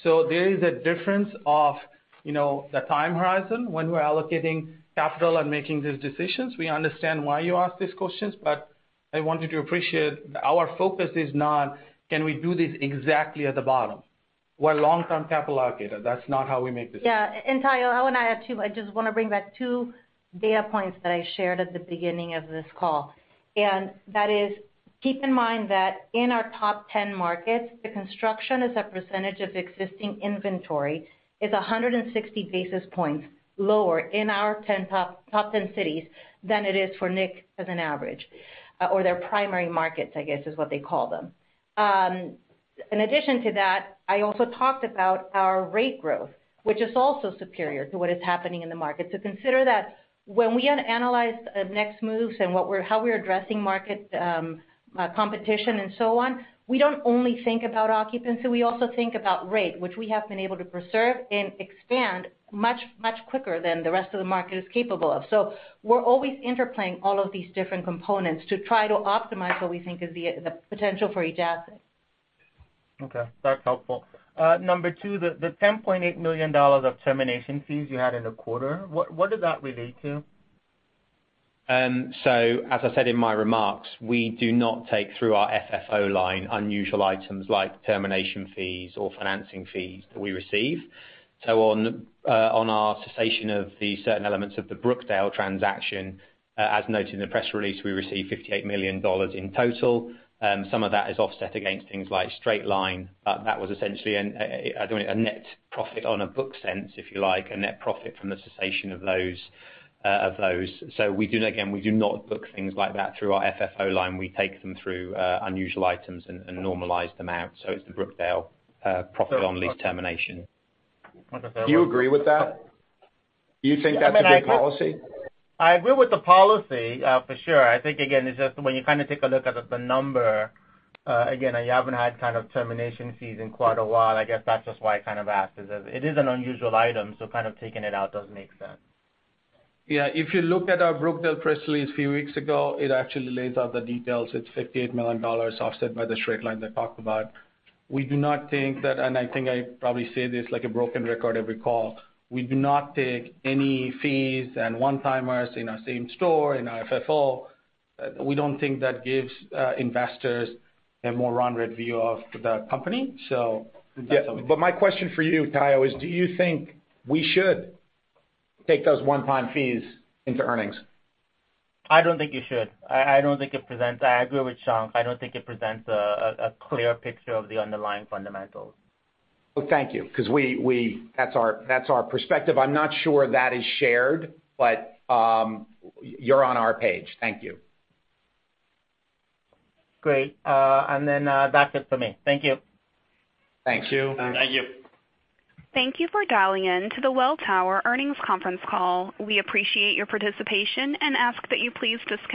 There is a difference of the time horizon when we're allocating capital and making these decisions. We understand why you ask these questions, I want you to appreciate our focus is not, can we do this exactly at the bottom? We're a long-term capital allocator. That's not how we make decisions. Yeah. Tayo, I want to add too, I just want to bring back two data points that I shared at the beginning of this call. That is, keep in mind that in our top 10 markets, the construction as a percentage of existing inventory is 160 basis points lower in our top 10 cities than it is for NIC as an average. Or their primary markets, I guess, is what they call them. In addition to that, I also talked about our rate growth, which is also superior to what is happening in the market. Consider that when we analyze next moves and how we're addressing market competition and so on, we don't only think about occupancy, we also think about rate, which we have been able to preserve and expand much, much quicker than the rest of the market is capable of. We are always interplaying all of these different components to try to optimize what we think is the potential for each asset. Okay. That is helpful. Number 2, the $10.8 million of termination fees you had in the quarter, what did that relate to? As I said in my remarks, we do not take through our FFO line unusual items like termination fees or financing fees that we receive. On our cessation of the certain elements of the Brookdale transaction, as noted in the press release, we received $58 million in total. Some of that is offset against things like straight line. That was essentially a net profit on a book sense, if you like, a net profit from the cessation of those. We do again, we do not book things like that through our FFO line. We take them through unusual items and normalize them out. It is the Brookdale profit on lease termination. Do you agree with that? Do you think that is a good policy? I agree with the policy, for sure. I think, again, it's just when you kind of take a look at the number, again, you haven't had kind of termination fees in quite a while. I guess that's just why I kind of asked is that it is an unusual item, taking it out does make sense. Yeah. If you look at our Brookdale press release a few weeks ago, it actually lays out the details. It's $58 million offset by the straight line they talked about. We do not think that, and I think I probably say this like a broken record every call, we do not take any fees and one-timers in our same store, in our FFO. We don't think that gives investors a more rounded view of the company. My question for you, Tayo, is do you think we should take those one-time fees into earnings? I don't think you should. I agree with Shankh. I don't think it presents a clear picture of the underlying fundamentals. Well, thank you, because that's our perspective. I'm not sure that is shared, you're on our page. Thank you. Great. That's it for me. Thank you. Thank you. Thank you. Thank you for dialing in to the Welltower Earnings Conference Call. We appreciate your participation and ask that you please dislike